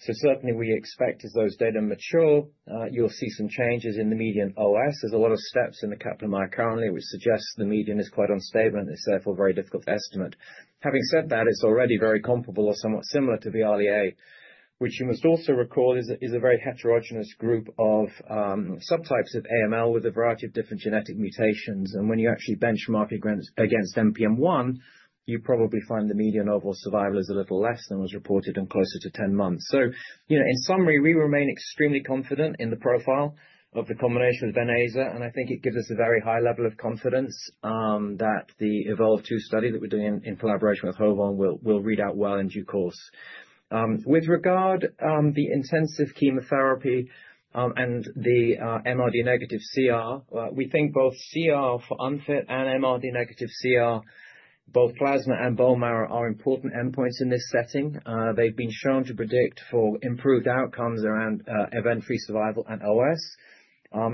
Speaker 5: RDA. Certainly, we expect as those data mature, you'll see some changes in the median OS. There's a lot of steps in the Kaplan currently which suggests the median is quite unstable and it's therefore very difficult to estimate. Having said that, it's already very comparable or somewhat similar to VRE, which you must also recall is a very heterogeneous group of subtypes of AML with a variety of different genetic mutations. When you actually benchmark against NPM1, you probably find the median overall survival is a little less than was reported and closer to 10 months. In summary, we remain extremely confident in the profile of the combination of venetoclax and I think it gives us a very high level of confidence that the EVOLVE-2 study that we're doing in collaboration with HOVON will read out well in due course. With regard to the intensive chemotherapy and the MRD negative CR, we think both CR for unfit and MRD negative CR for both plasma and bone marrow are important endpoints in this setting. They've been shown to predict for improved outcomes around event-free survival and OS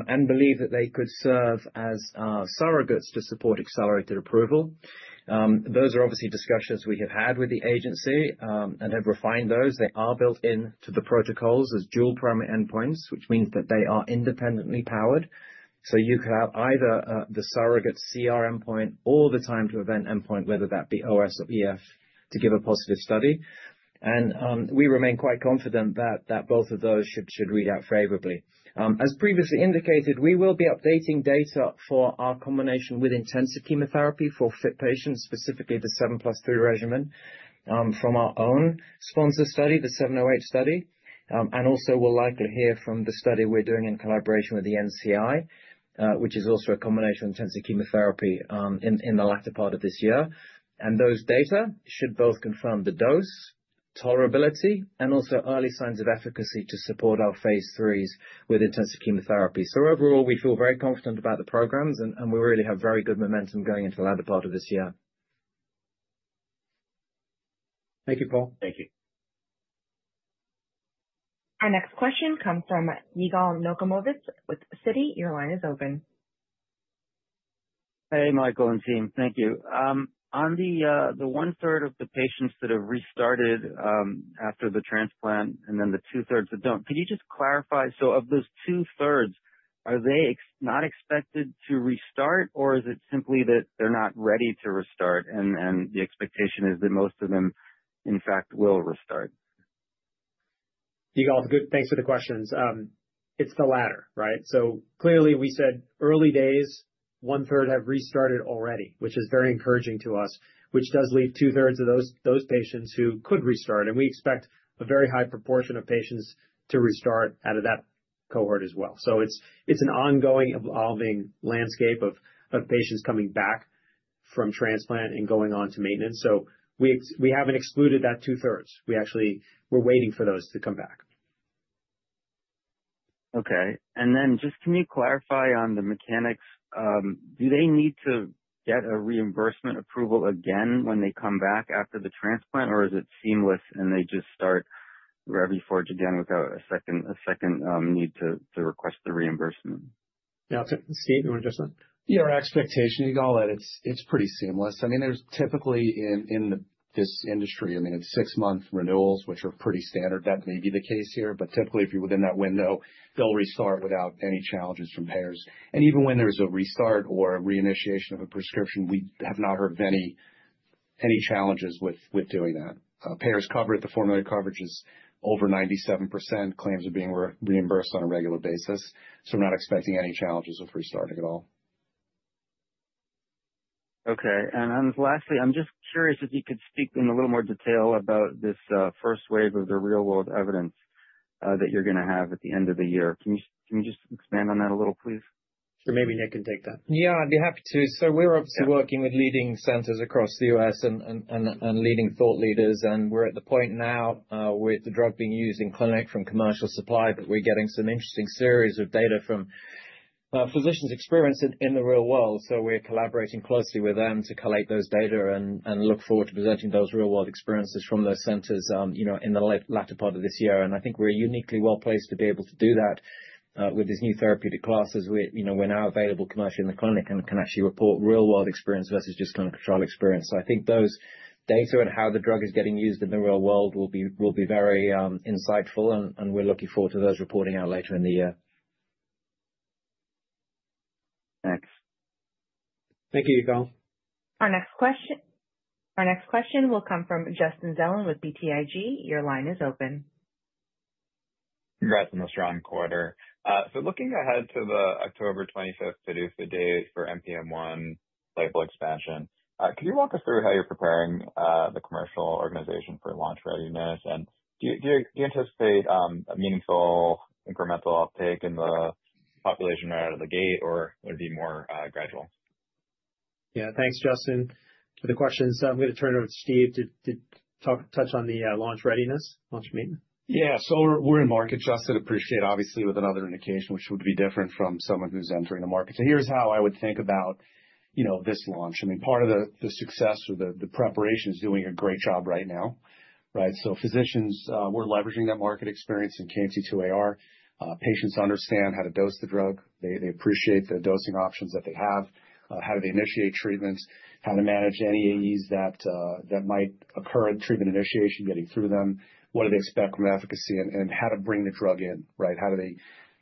Speaker 5: and believe that they could serve as. Surrogates to support accelerated approval. Those are obviously discussions we have had with the agency and have refined those. They are built into the protocols as dual primary endpoints, which means that they are independently powered. You could have either the surrogate CR endpoint or the time to event endpoint, whether that be OS or EFS, to give a positive study. We remain quite confident that both of those should read out favorably. As previously indicated, we will be updating data for our combination with intensive chemotherapy for fit patients, specifically the 7 + 3 regimen from our own sponsor study, the 708 study. We will also likely hear from the study we're doing in collaboration with the NCI, which is also a combination of intensive chemotherapy in the latter part of this year. Those data should both confirm the dose tolerability and also early signs of efficacy to support phase IIIs with intensive chemotherapy. Overall, we feel very confident about the programs and we really have very good momentum going into the latter part of this year. Thank you, Paul.
Speaker 12: Thank you.
Speaker 1: Our next question comes from Yigal Nochomovitz with Citi. Your line is open.
Speaker 13: Hey Michael and team, thank you. On the 1/3 of the patients that have restarted after the transplant and then the two thirds that don't, could you just clarify. Of those two thirds, are they not expected to restart or is it simply that they're not ready to restart and the expectation is that most of them in fact will restart.
Speaker 3: Thanks for the questions. It's the latter. Right. Clearly we said early days, one third have restarted already, which is very encouraging to us. This does leave 2/3 of those patients who could restart, and we expect a very high proportion of patients to restart out of that cohort as well. It's an ongoing, evolving landscape of patients coming back from transplant and going on to maintenance. We haven't excluded that two thirds. We're actually waiting for those to come back.
Speaker 13: Okay, and then just can you clarify on the mechanics? Do they need to get a reimbursement approval again when they come back after the transplant, or is it seamless and they just start Revuforj again without a second need to request the reimbursement?
Speaker 3: Steve, you want to?
Speaker 4: Yeah, our expectation, you got. It's pretty seamless. I mean, there's typically in this industry, I mean, it's six-month renewals, which are pretty standard, that may be the case here. Typically, if you're within that window, they'll restart without any challenges from payers. Even when there's a restart or a reinitiation of a prescription, we have not heard of any challenges with doing that. Payers' coverage, the formulary coverage is over 97%. Claims are being reimbursed on a regular basis. I'm not expecting any challenges with restarting at all.
Speaker 13: Okay. I'm just curious if you could speak in a little more detail about this first wave of the real world evidence that you're going to hae at the end of the year. Can you expand on that a little, please?
Speaker 3: Maybe Nick can take that.
Speaker 5: Yeah, I'd be happy to. We're obviously working with leading centers across the U.S. and leading thought leaders, and we're at the point now with the drug being used in clinic from commercial supply. We're getting some interesting series of data from physicians' experience in the real world. We're collaborating closely with them to collate those data and look forward to presenting those real world experiences from those centers in the latter part of this year. I think we're uniquely well placed to be able to do that with these new therapeutic classes. We're now available commercially in the clinic and can actually report real world experience versus just clinical trial experience. I think those data and how the drug is getting used in the real world will be very insightful, and we're looking forward to those reporting out later in the year.
Speaker 13: Thanks.
Speaker 3: Thank you.
Speaker 1: Our next question will come from Justin Zelin with BTIG. Your line is open.
Speaker 14: Congrats on the strong quarter. Looking ahead to the October 25th PDUFA day for NPM1 label expansion, can you walk us through how you're preparing the commercial organization for launch readiness, and do you anticipate a meaningful incremental uptick in the population right out of the gate, or would it be more gradual?
Speaker 3: Yeah, thanks Justin for the questions. I'm going to turn it over to Steve to touch on the launch readiness, launch maintenance. Yeah.
Speaker 4: We're in market, Justin. Appreciate obviously with another indication, which would be different from someone who's entering the market. Here's how I would think about this launch. Part of the success or the preparation is doing a great job right now. Physicians, we're leveraging that market experience in KMT2A-r patients, understand how to dose the drug. They appreciate the dosing options that they have, how they initiate treatments, how to manage any AEs that might occur in treatment initiation, getting through them, what they expect from efficacy, and how to bring the drug in. How do they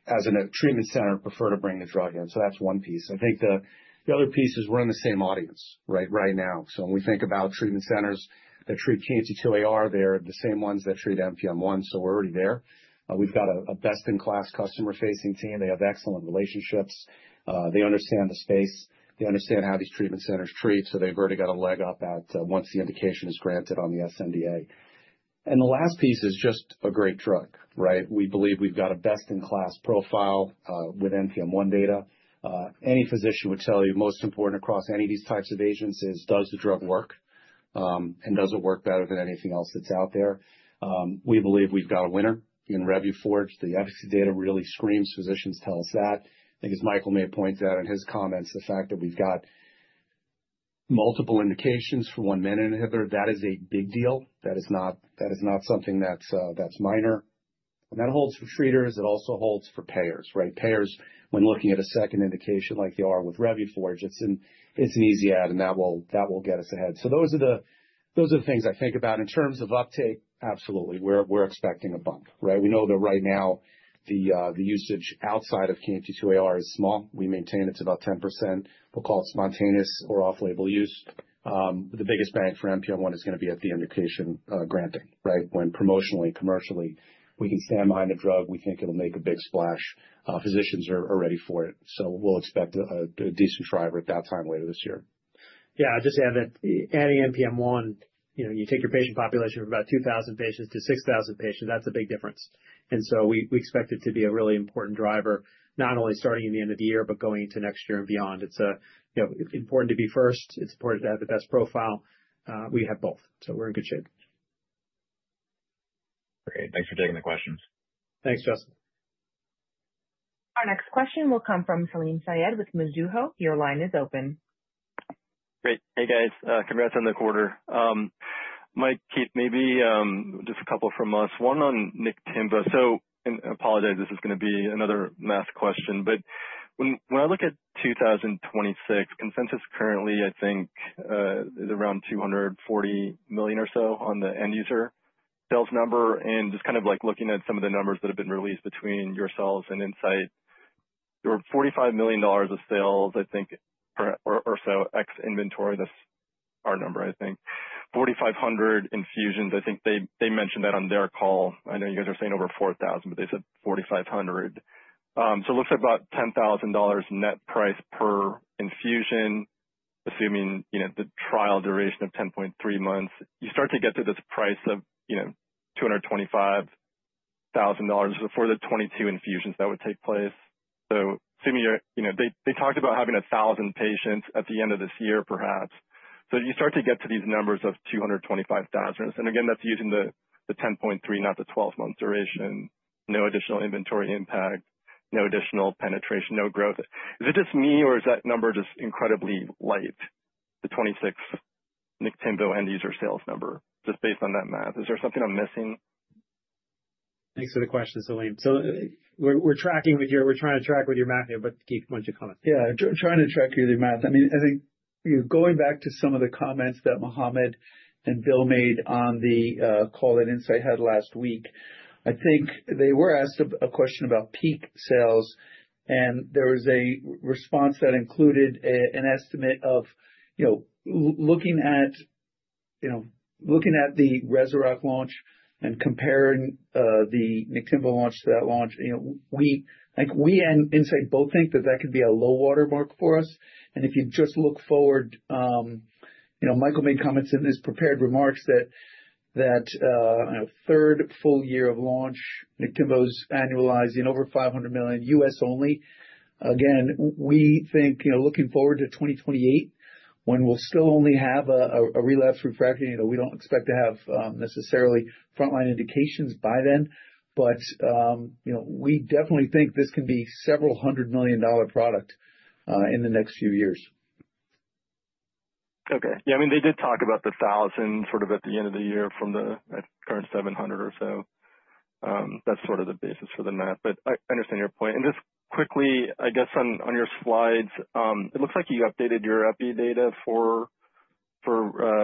Speaker 4: as a treatment center prefer to bring the drug in? That's one piece.I think the other piece is we're In the same audience right now. When we think about treatment centers that KMT2A-r, they're the same ones that treat mutant NPM1. We are already there. We've got a best-in-class customer-facing team. They have excellent relationships. They understand the space, they understand how these treatment centers treat. They've already got a leg up once the indication is granted on the sNDA. The last piece is just a great drug, right. We believe we've got a best-in-class profile with NPM1 data. Any physician would tell you most important across any of these types of agents is does the drug work and does it work better than anything else that's out there. We believe we've got a winner in Revuforj. The efficacy data really screams, physicians tell us that. I think as Michael may have pointed out in his comments, the fact that we've got multiple indications for one menin inhibitor, that is a big deal. That is not something that's minor and that holds for treaters. It also holds for payers. Right. Payers. When looking at a second indication like they are with Revuforj, it's an easy add and that will get us ahead. Those are the, those are the things I think about in terms of uptake. Absolutely, we're expecting a bump. Right. We know that right now the usage outside of KMT2A-r translocation is small. We maintain it's about 10%. We'll call it spontaneous or off label use. The biggest bang for NPM1 is going to be at the indication granting. Right. When promotionally, commercially we can stand behind a drug, we think it'll make a big splash. Physicians are ready for it, so we'll expect a decent driver at that time later this year.
Speaker 3: I'll just add that, adding NPM1, you know, you take your patient population from about 2,000 patients to 6,000 patients, that's a big difference. We expect it to be a really important driver not only starting in the end of the year, but going into next year and beyond. It's important to be first. It's important to have the best profile. We have both. We're in good shape.
Speaker 14: Great. Thanks for taking the questions.
Speaker 3: Thanks, Justin.
Speaker 1: Our next question will come from Salim Syed with Mizuho. Your line is open.
Speaker 15: Great. Hey guys, congrats on the quarter. Mike, Keith, maybe just a couple from us. One on Niktimvo. I apologize, this is going to be another math question, but when I look at 2026 consensus currently I think around $240 million or so on the end user sales number and just kind of like looking at some of the numbers that have been released between yourselves and Incyte. There were $45 million of sales, I think or so ex-inventory. That's our number. I think 4,500 infusions. I think they mentioned that on their call. I know you guys are saying over 4,000, but they said 4,500. It looks like about $10,000 net price per infusion. Assuming you know the trial duration of 10.3 months, you start to get to this price of $225,000 before the 22 infusions that would take place. Assuming you're, you know, they talked about having 1,000 patients at the end of this year perhaps. You start to get to these numbers of $225,000. Again that's using the 10.3, not the 12 month duration. No additional inventory impact, no additional penetration, no growth. Is it just me or is that number just incredibly light? The 2026 Niktimvo end user sales number, just based on that math. Is there something I'm missing?
Speaker 3: Thanks for the question, Celine. We're tracking with your, we're trying to track with your math here. Keith, bunch of comments.
Speaker 6: Yeah, trying to track you with your math. I mean, I think going back to some of the comments that Mohamed and Bill made on the call that Incyte had last week, I think they were asked a question about peak sales and there was a response that included an estimate of, you know, looking at, you know, looking at the REZUROCK launch and comparing the Niktimvo launch to that launch. You know, we think we and Incyte both think that that could be a low watermark for us. If you just look forward, you know, Michael made comments in his prepared remarks that that third full year of launch, Niktimvo's annualized in over $500 million U.S. only. Again, we think, you know, looking forward to 2028 when we'll still only have a relapsed/refractory, you know, we don't expect to have necessarily frontline indications by then, but you know, we definitely think this can be several hundred million dollar product in the next few years.
Speaker 15: Okay. Yeah, I mean they did talk about the 1,000 sort of at the end of the year from the current 700 or so. That's sort of the basis for the map. I understand your point. Just quickly, I guess on your slides it looks like you updated your EPPE data for the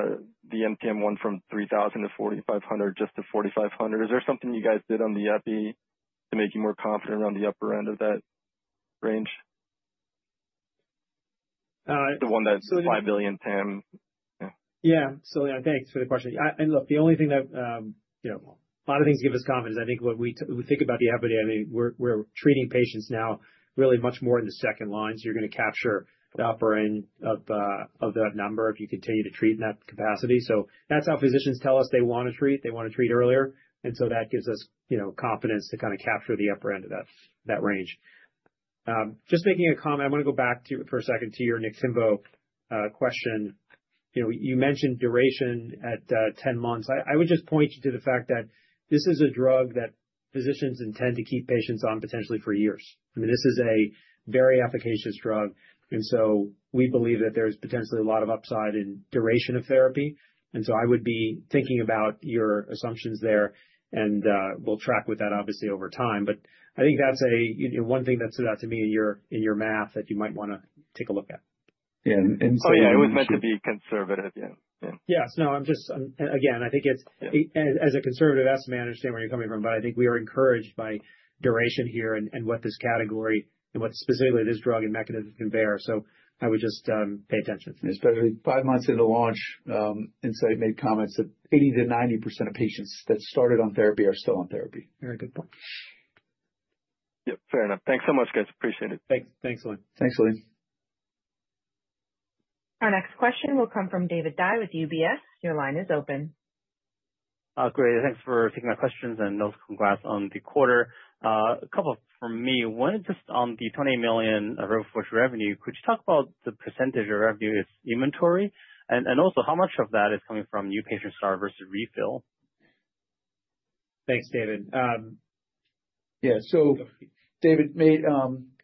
Speaker 15: NPM1 from 3,000 to 4,500, just to 4,500. Is there something you guys did on the EPPE to make you more confident around the upper end of that range, the one that's $5 billion TAM?
Speaker 3: Yeah, thanks for the question. The only thing that, you know, a lot of things give us confidence, I think when we think about the epidemiology, we're treating patients now really much more in the second line. You're going to capture the operating of that number if you continue to treat in that capacity. That's how physicians tell us they want to treat, they want to treat earlier. That gives us, you know, confidence to kind of capture the upper end of that range. Just making a comment. I want to go back for a second to your Niktimvo question. You mentioned duration at 10 months. I would just point you to the fact that this is a drug that physicians intend to keep patients on potentially for years. I mean this is a very efficacious drug. We believe that there's potentially a lot of upside in duration of therapy. I would be thinking about your assumptions there and we'll track with that obviously over time. I think that's one thing that stood out to me in your math that you might want to take a look at.
Speaker 15: Oh yeah, it was meant to be conservative. Yeah.
Speaker 3: Yes. No, I think it's as a conservative estimate, understand where you're coming from. I think we are encouraged by duration here and what this category and what specifically this drug and mechanism can bear. I would just pay attention, especially.
Speaker 6: Five months into launch, Incyte made comments that 80%-90% of patients that started on therapy are still on therapy.
Speaker 15: Very good point. Fair enough. Thanks so much, guys. Appreciate it.
Speaker 3: Thanks, Elaine.
Speaker 6: Thanks, Elaine.
Speaker 1: Our next question will come from David Dai with UBS. Your line is open.
Speaker 16: Great. Thanks for taking my questions. Noticeable graphs on the quarter. A couple for me, one just on the $20 million Revuforj revenue, could you talk about the percentage of revenue that is inventory, and also how much of that is coming from new Patient Start versus refill.
Speaker 3: Thanks, David.
Speaker 6: David made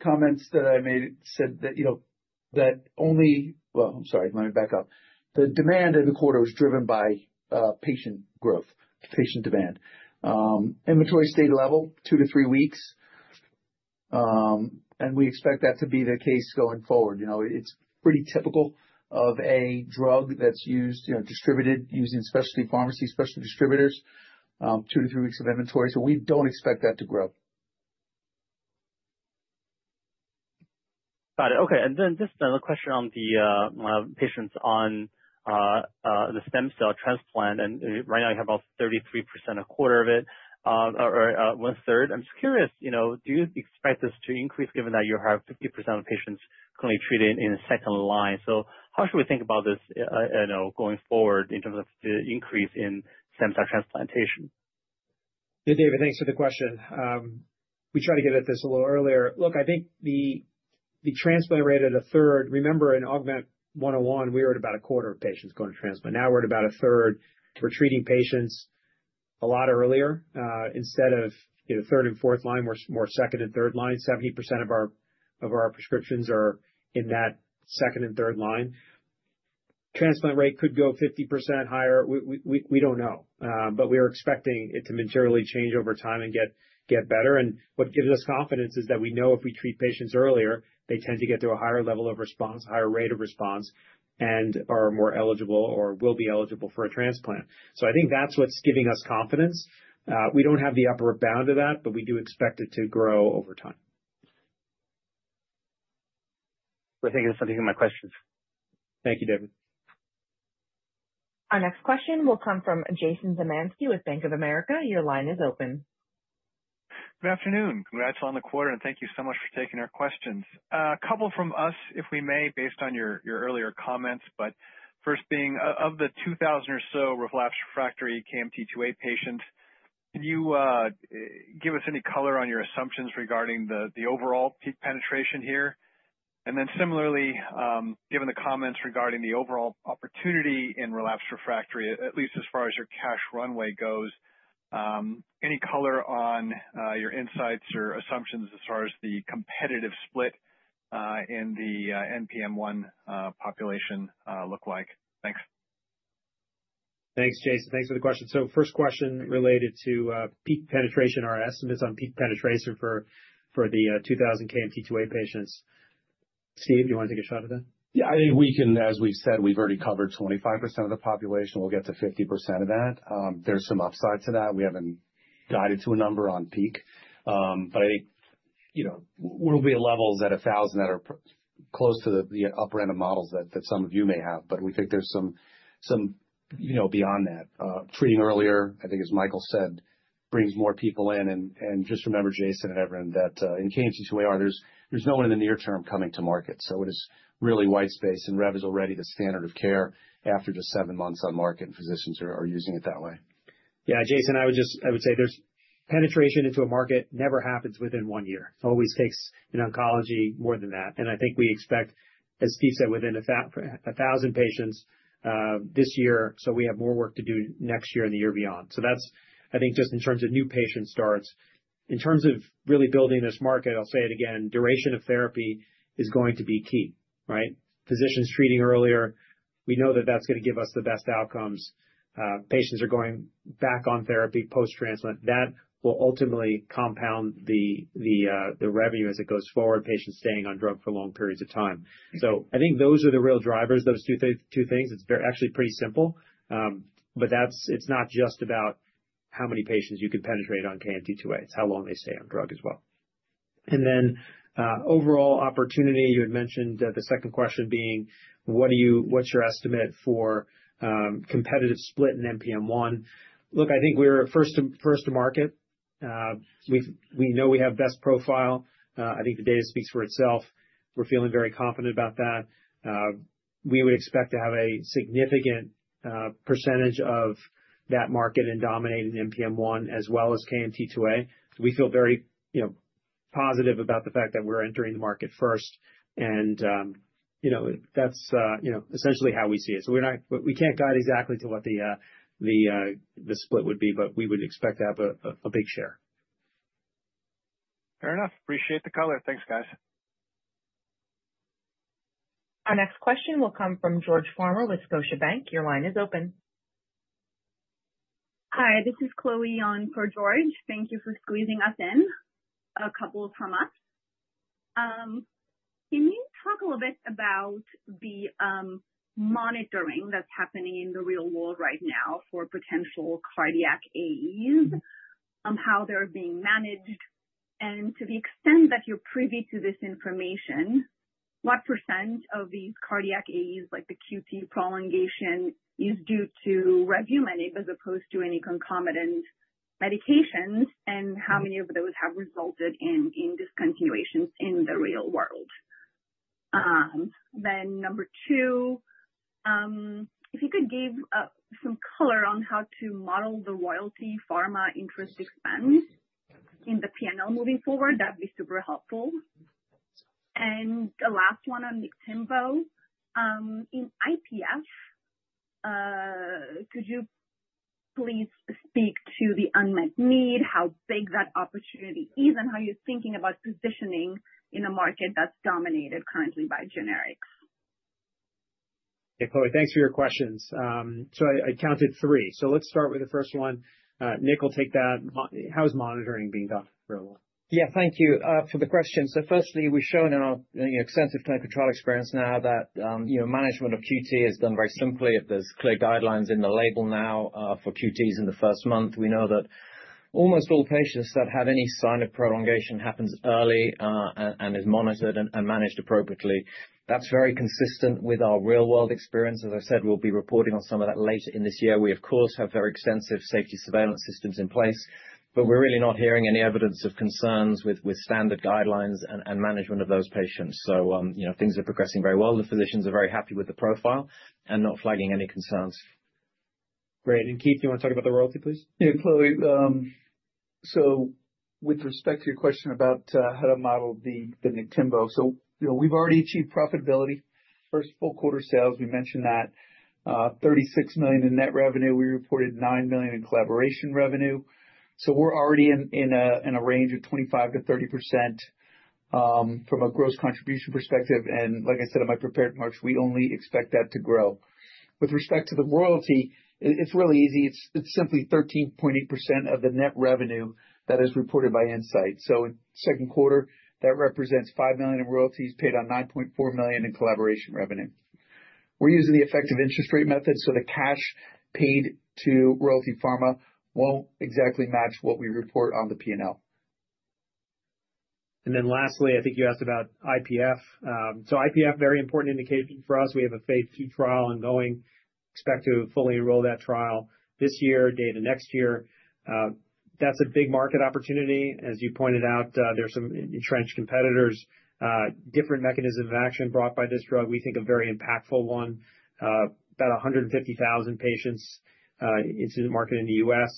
Speaker 6: comments that I made, said that you know, that only. I'm sorry, let me back up. The demand in the quarter was driven by patient growth. Patient demand inventory stayed level 2-3 weeks, and we expect that to be the case going forward. You know, it's pretty typical of a drug that's used, you know, distributed, using specialty pharmacy, specialty distributors, 2-3 weeks of inventory. We don't expect that to grow.
Speaker 16: Got it. Okay. Just another question on the patients on the stem cell transplant. Right now you have about 33%, a quarter of it or one third. I'm just curious, do you expect this to increase given that you have 50% of patients currently treated in the second line? How should we think about this going forward in terms of the increase in stem cell transplantation?
Speaker 3: David, thanks for the question. We tried to get at this a little earlier. Look, I think the transplant rate at a third. Remember in AUGMENT-101 we were at about a quarter of patients going to transplant. Now we're at about a third. If we're treating patients a lot earlier, instead of third and fourth line, more second and third line. 70% of our prescriptions are in that second and third line. Transplant rate could go 50% higher, we don't know. We are expecting it to materially change over time and get better. What gives us confidence is that we know if we treat patients earlier, they tend to get to a higher level of response, higher rate of response and are more eligible or will be eligible for a transplant. I think that's what's giving us confidence. We don't have the upper bound of that, but we do expect it to grow over time.
Speaker 16: Thank you for taking my questions.
Speaker 3: Thank you, David.
Speaker 1: Our next question will come from Jason Zemansky with Bank of America. Your line is open.
Speaker 17: Good afternoon. Congrats on the quarter and thank you so much for taking our questions. A couple from us, if we may, based on your earlier comments. First, being of the 2,000 or so relapsed/refractory KMT2A patient, can you give us any color on your assumptions regarding the overall peak penetration here? Similarly, given the comments regarding the overall opportunity in relapsed/refractory, at least as far as your cash runway goes, any color on your insights or assumptions as far as the competitive split in the NPM1 population look like? Thanks.
Speaker 3: Thanks, Jason. Thanks for the question. First question related to peak penetration, our estimates on peak penetration for the 2,000 KMT2A patients. Steve, do you want to take a shot at that?
Speaker 4: Yeah, I think we can. As we said, we've already covered 25% of the population. We'll get to 50% of that. There's some upside to that. We haven't guided to a number on Peak. I think we'll be at levels at a 1,000 that are close to the upper end of models that some of you may have. We think there's some, you know, beyond that. Treating earlier, I think, as Michael said, brings more people in. Just remember, Jason and everyone, that in KMT2A there's no one in the near term coming to market. It is really white space, and Revuforj is already the standard of care after just seven months on market, and physicians are using it that way.
Speaker 3: Yeah, Jason, I would just say there's penetration into a market. It never happens within one year, always takes in oncology more than that. I think we expect, as Steve said, within 1,000 patients this year. We have more work to do next year and the year beyond. That's, I think just in terms of new patient starts, in terms of really building this market. I'll say it again, duration of therapy is going to be key. Right. Physicians treating earlier, we know that that's going to give us the best outcomes. Patients are going back on therapy post transplant. That will ultimately compound the revenue as it goes forward. Patients staying on drug for long periods of time. I think those are the real drivers, those two things, it's actually pretty simple. It's not just about how many patients you could penetrate on KMT2A. It's how long they stay on drug as well and then overall opportunity. You had mentioned the second question being what do you, what's your estimate for competitive split in NPM1? Look, I think we're first, first to market. We know we have best profile. I think the data speaks for itself. We're feeling very confident about that. We would expect to have a significant percentage of that market and dominate in NPM1 as well as KMT2A. We feel very positive about the fact that we're entering the market first and that's essentially how we see it. We can't guide exactly to what the split would be, but we would expect to have a big share.
Speaker 17: Fair enough. Appreciate the color. Thanks, guys.
Speaker 1: Our next question will come from George Farmer with Scotiabank. Your line is open. Hi, this is Chloe on for George. Thank you for squeezing us in, a couple from us. Can you talk a little bit about the monitoring that's happening in the real world right now for potential cardiac AEs, how they're being managed, and to the extent that you're privy to this information, what percent of these cardiac AEs, like the QT prolongation, is due to revumenib as opposed to any concomitant medications, and how many of those have resulted in discontinuations in the real world? Number two, if you could give some color on how to model the Royalty Pharma interest expense in the P&L moving forward, that'd be super helpful. The last one, on Niktimvo in IPF, could you please speak to the unmet need, how big that opportunity is, and how you're thinking about positioning in a market that's dominated currently by generics.
Speaker 3: Thanks for your questions. I counted three, let's start with the first one. Nick will take that. How is monitoring being done?
Speaker 5: Yeah, thank you for the question. Firstly, we've shown in our extensive clinical trial experience now that management of QT is done very simply. There are clear guidelines in the label now for QT in the first month. We know that almost all patients that have any sign of prolongation happens early and is monitored and managed appropriately. That's very consistent with our real world experience. As I said, we'll be reporting on some of that later in this year. We of course have very extensive safety surveillance systems in place, but we're really not hearing any evidence of concerns with standard guidelines and management of those patients. Things are progressing very well. The physicians are very happy with the profile and not flagging any concerns.
Speaker 3: Great. Keith, you want to talk about the royalty, please?
Speaker 6: Yeah, Chloe, with respect to your question about how to model the Niktimvo, we've already achieved profitability. First full quarter sales, we mentioned that $36 million in net revenue. We reported $9 million in collaboration revenue. We're already in a range of 25%-30% from a gross contribution perspective. Like I said in my prepared remarks, we only expect that to grow. With respect to the royalty, it's really easy. It's simply 13.8% of the net revenue that is reported by Incyte. In the second quarter, that represents $5 million in royalties paid on $9.4 million in collaboration revenue. We're using the effective interest rate method. The cash paid to Royalty Pharma won't exactly match what we report on the P&L.
Speaker 3: Lastly, I think you asked about IPF. IPF, very important indication for us. We have a phase II trial ongoing. Expect to fully enroll that trial this year, data next year. That's a big market opportunity. As you pointed out, there's some entrenched competitors, different mechanism of action brought by this drug. We think a very impactful one. About 150,000 patients incident market in the U.S.,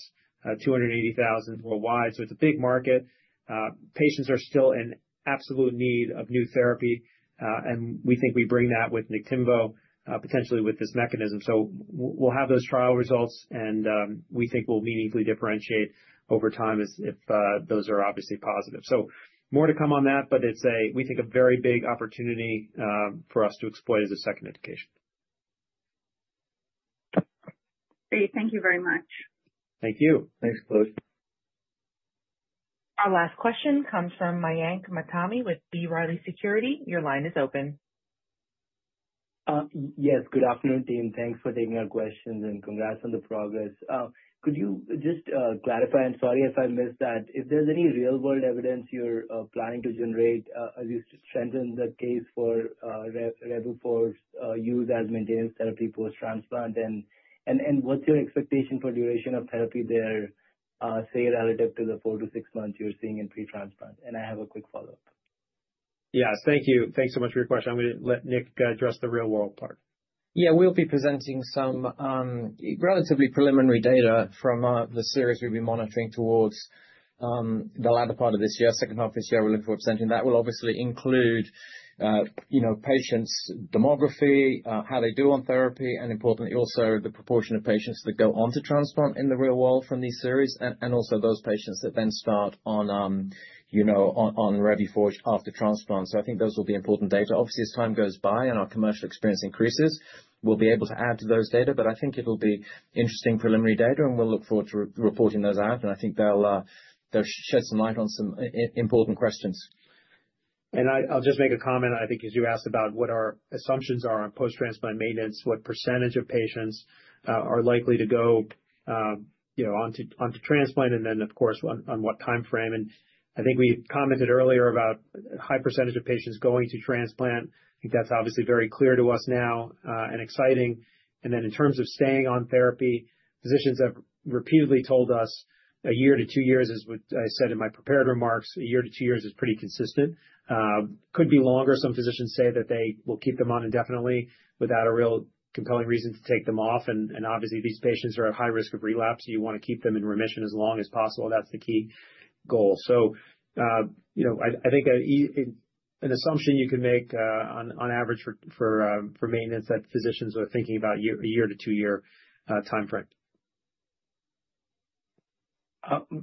Speaker 3: 280,000 worldwide. It's a big market. Patients are still in absolute need of new therapy and we think we bring that with Niktimvo, potentially with this mechanism. We'll have those trial results and we think we'll meaningfully differentiate over time if those are obviously positive. More to come on that, but it's a, we think a very big opportunity for us to exploit as a second indication. Great, thank you very much. Thank you.
Speaker 6: Thanks, Chloe.
Speaker 1: Our last question comes from Mayank Matami with B. Riley Securities. Your line is open.
Speaker 18: Yes, good afternoon team. Thanks for taking our questions and congrats on the progress. Could you just clarify, and sorry if I missed that, if there's any real world evidence you're planning to generate as you strengthen the case for Revuforj use as maintenance therapy post transplant, and what's your expectation for duration of therapy there, say relative to the four to six months you're seeing in pre transplant? I have a quick follow up.
Speaker 3: Yeah, thank you. Thanks so much for your question. I'm going to let Nick address the real world part.
Speaker 5: We'll be presenting some relatively preliminary data from the series we've been monitoring towards the latter part of this year. Second half of this year. We're looking for presenting that will obviously include, you know, patients' demography, how they do on therapy, and importantly also the proportion of patients that go on to transplant in the real world from these series and also those patients that then start chart on, you know, on Revuforj after transplant. I think those will be important data. Obviously, as time goes by and our commercial experience increases, we'll be able to add to those data. I think it'll be interesting preliminary data and we'll look forward to reporting those as and I think they'll shed some light on some important questions.
Speaker 3: I'll just make a comment, I think as you asked about what our assumptions are on post-transplant maintenance, what percentage of patients are likely to go onto transplant and then of course on what time frame. I think we commented earlier about high percentage of patients going to transplant. I think that's obviously very clear to us now and exciting. In terms of staying on therapy, physicians have repeatedly told us a year to two years is what I said in my prepared remarks. A year to two years is pretty consistent, could be longer. Some physicians say that they will keep them on indefinitely without a real compelling reason to take them off. Obviously these patients are at high risk of relapse. You want to keep them in remission as long as possible. That's the key goal. I think an assumption you can make on average for maintenance is that physicians are thinking about a year to two year timeframe.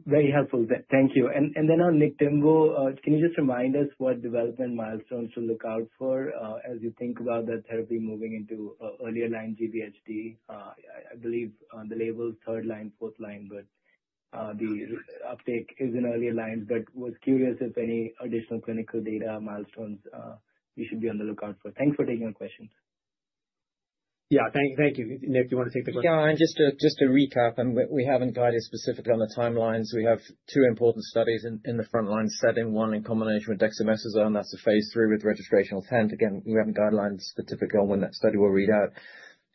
Speaker 18: Very helpful, thank you. On Niktimvo, can you just remind us what development milestones to look out for as you think about that therapy? Moving into earlier line GVHD, I believe on the label it's third line, fourth line, but the uptake is in earlier lines. I was curious if any additional clinical data milestones you should be on the lookout for. Thanks for taking your questions.
Speaker 3: Yeah, thank you, Nick, if you want to take the question.
Speaker 5: Yeah. Just to recap, we haven't guided specifically on the timelines. We have two important studies in the frontline setting, one in combination with dexamethasone, that's a phase III with registrational intent. Again, you have guidelines for the typical timing when that study will read out,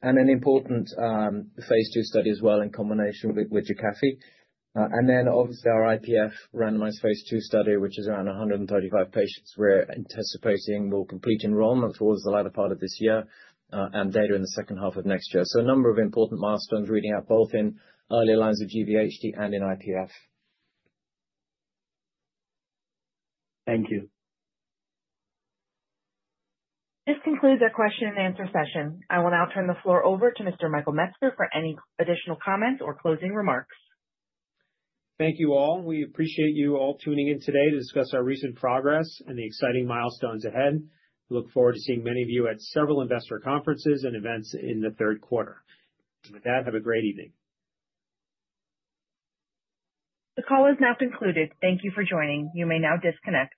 Speaker 5: and an important phase II study as well in combination with Niktimvo. Obviously, our idiopathic pulmonary fibrosis randomized phase II study, which is around 135 patients, we're anticipating more complete enrollment towards the latter part of this year and data in the second half of next year. A number of important milestones are reading out both in early lines of chronic graft-versus-host disease and in IPF.
Speaker 18: Thank you.
Speaker 1: This concludes our question-and-answer session. I will now turn the floor over to Mr. Michael Metzger for any additional comments or closing remarks.
Speaker 3: Thank you all. We appreciate you all tuning in today to discuss our recent progress and the exciting milestones ahead. Look forward to seeing many of you at several investor conferences and events in the third quarter. With that, have a great evening.
Speaker 1: The call has now concluded. Thank you for joining. You may now disconnect.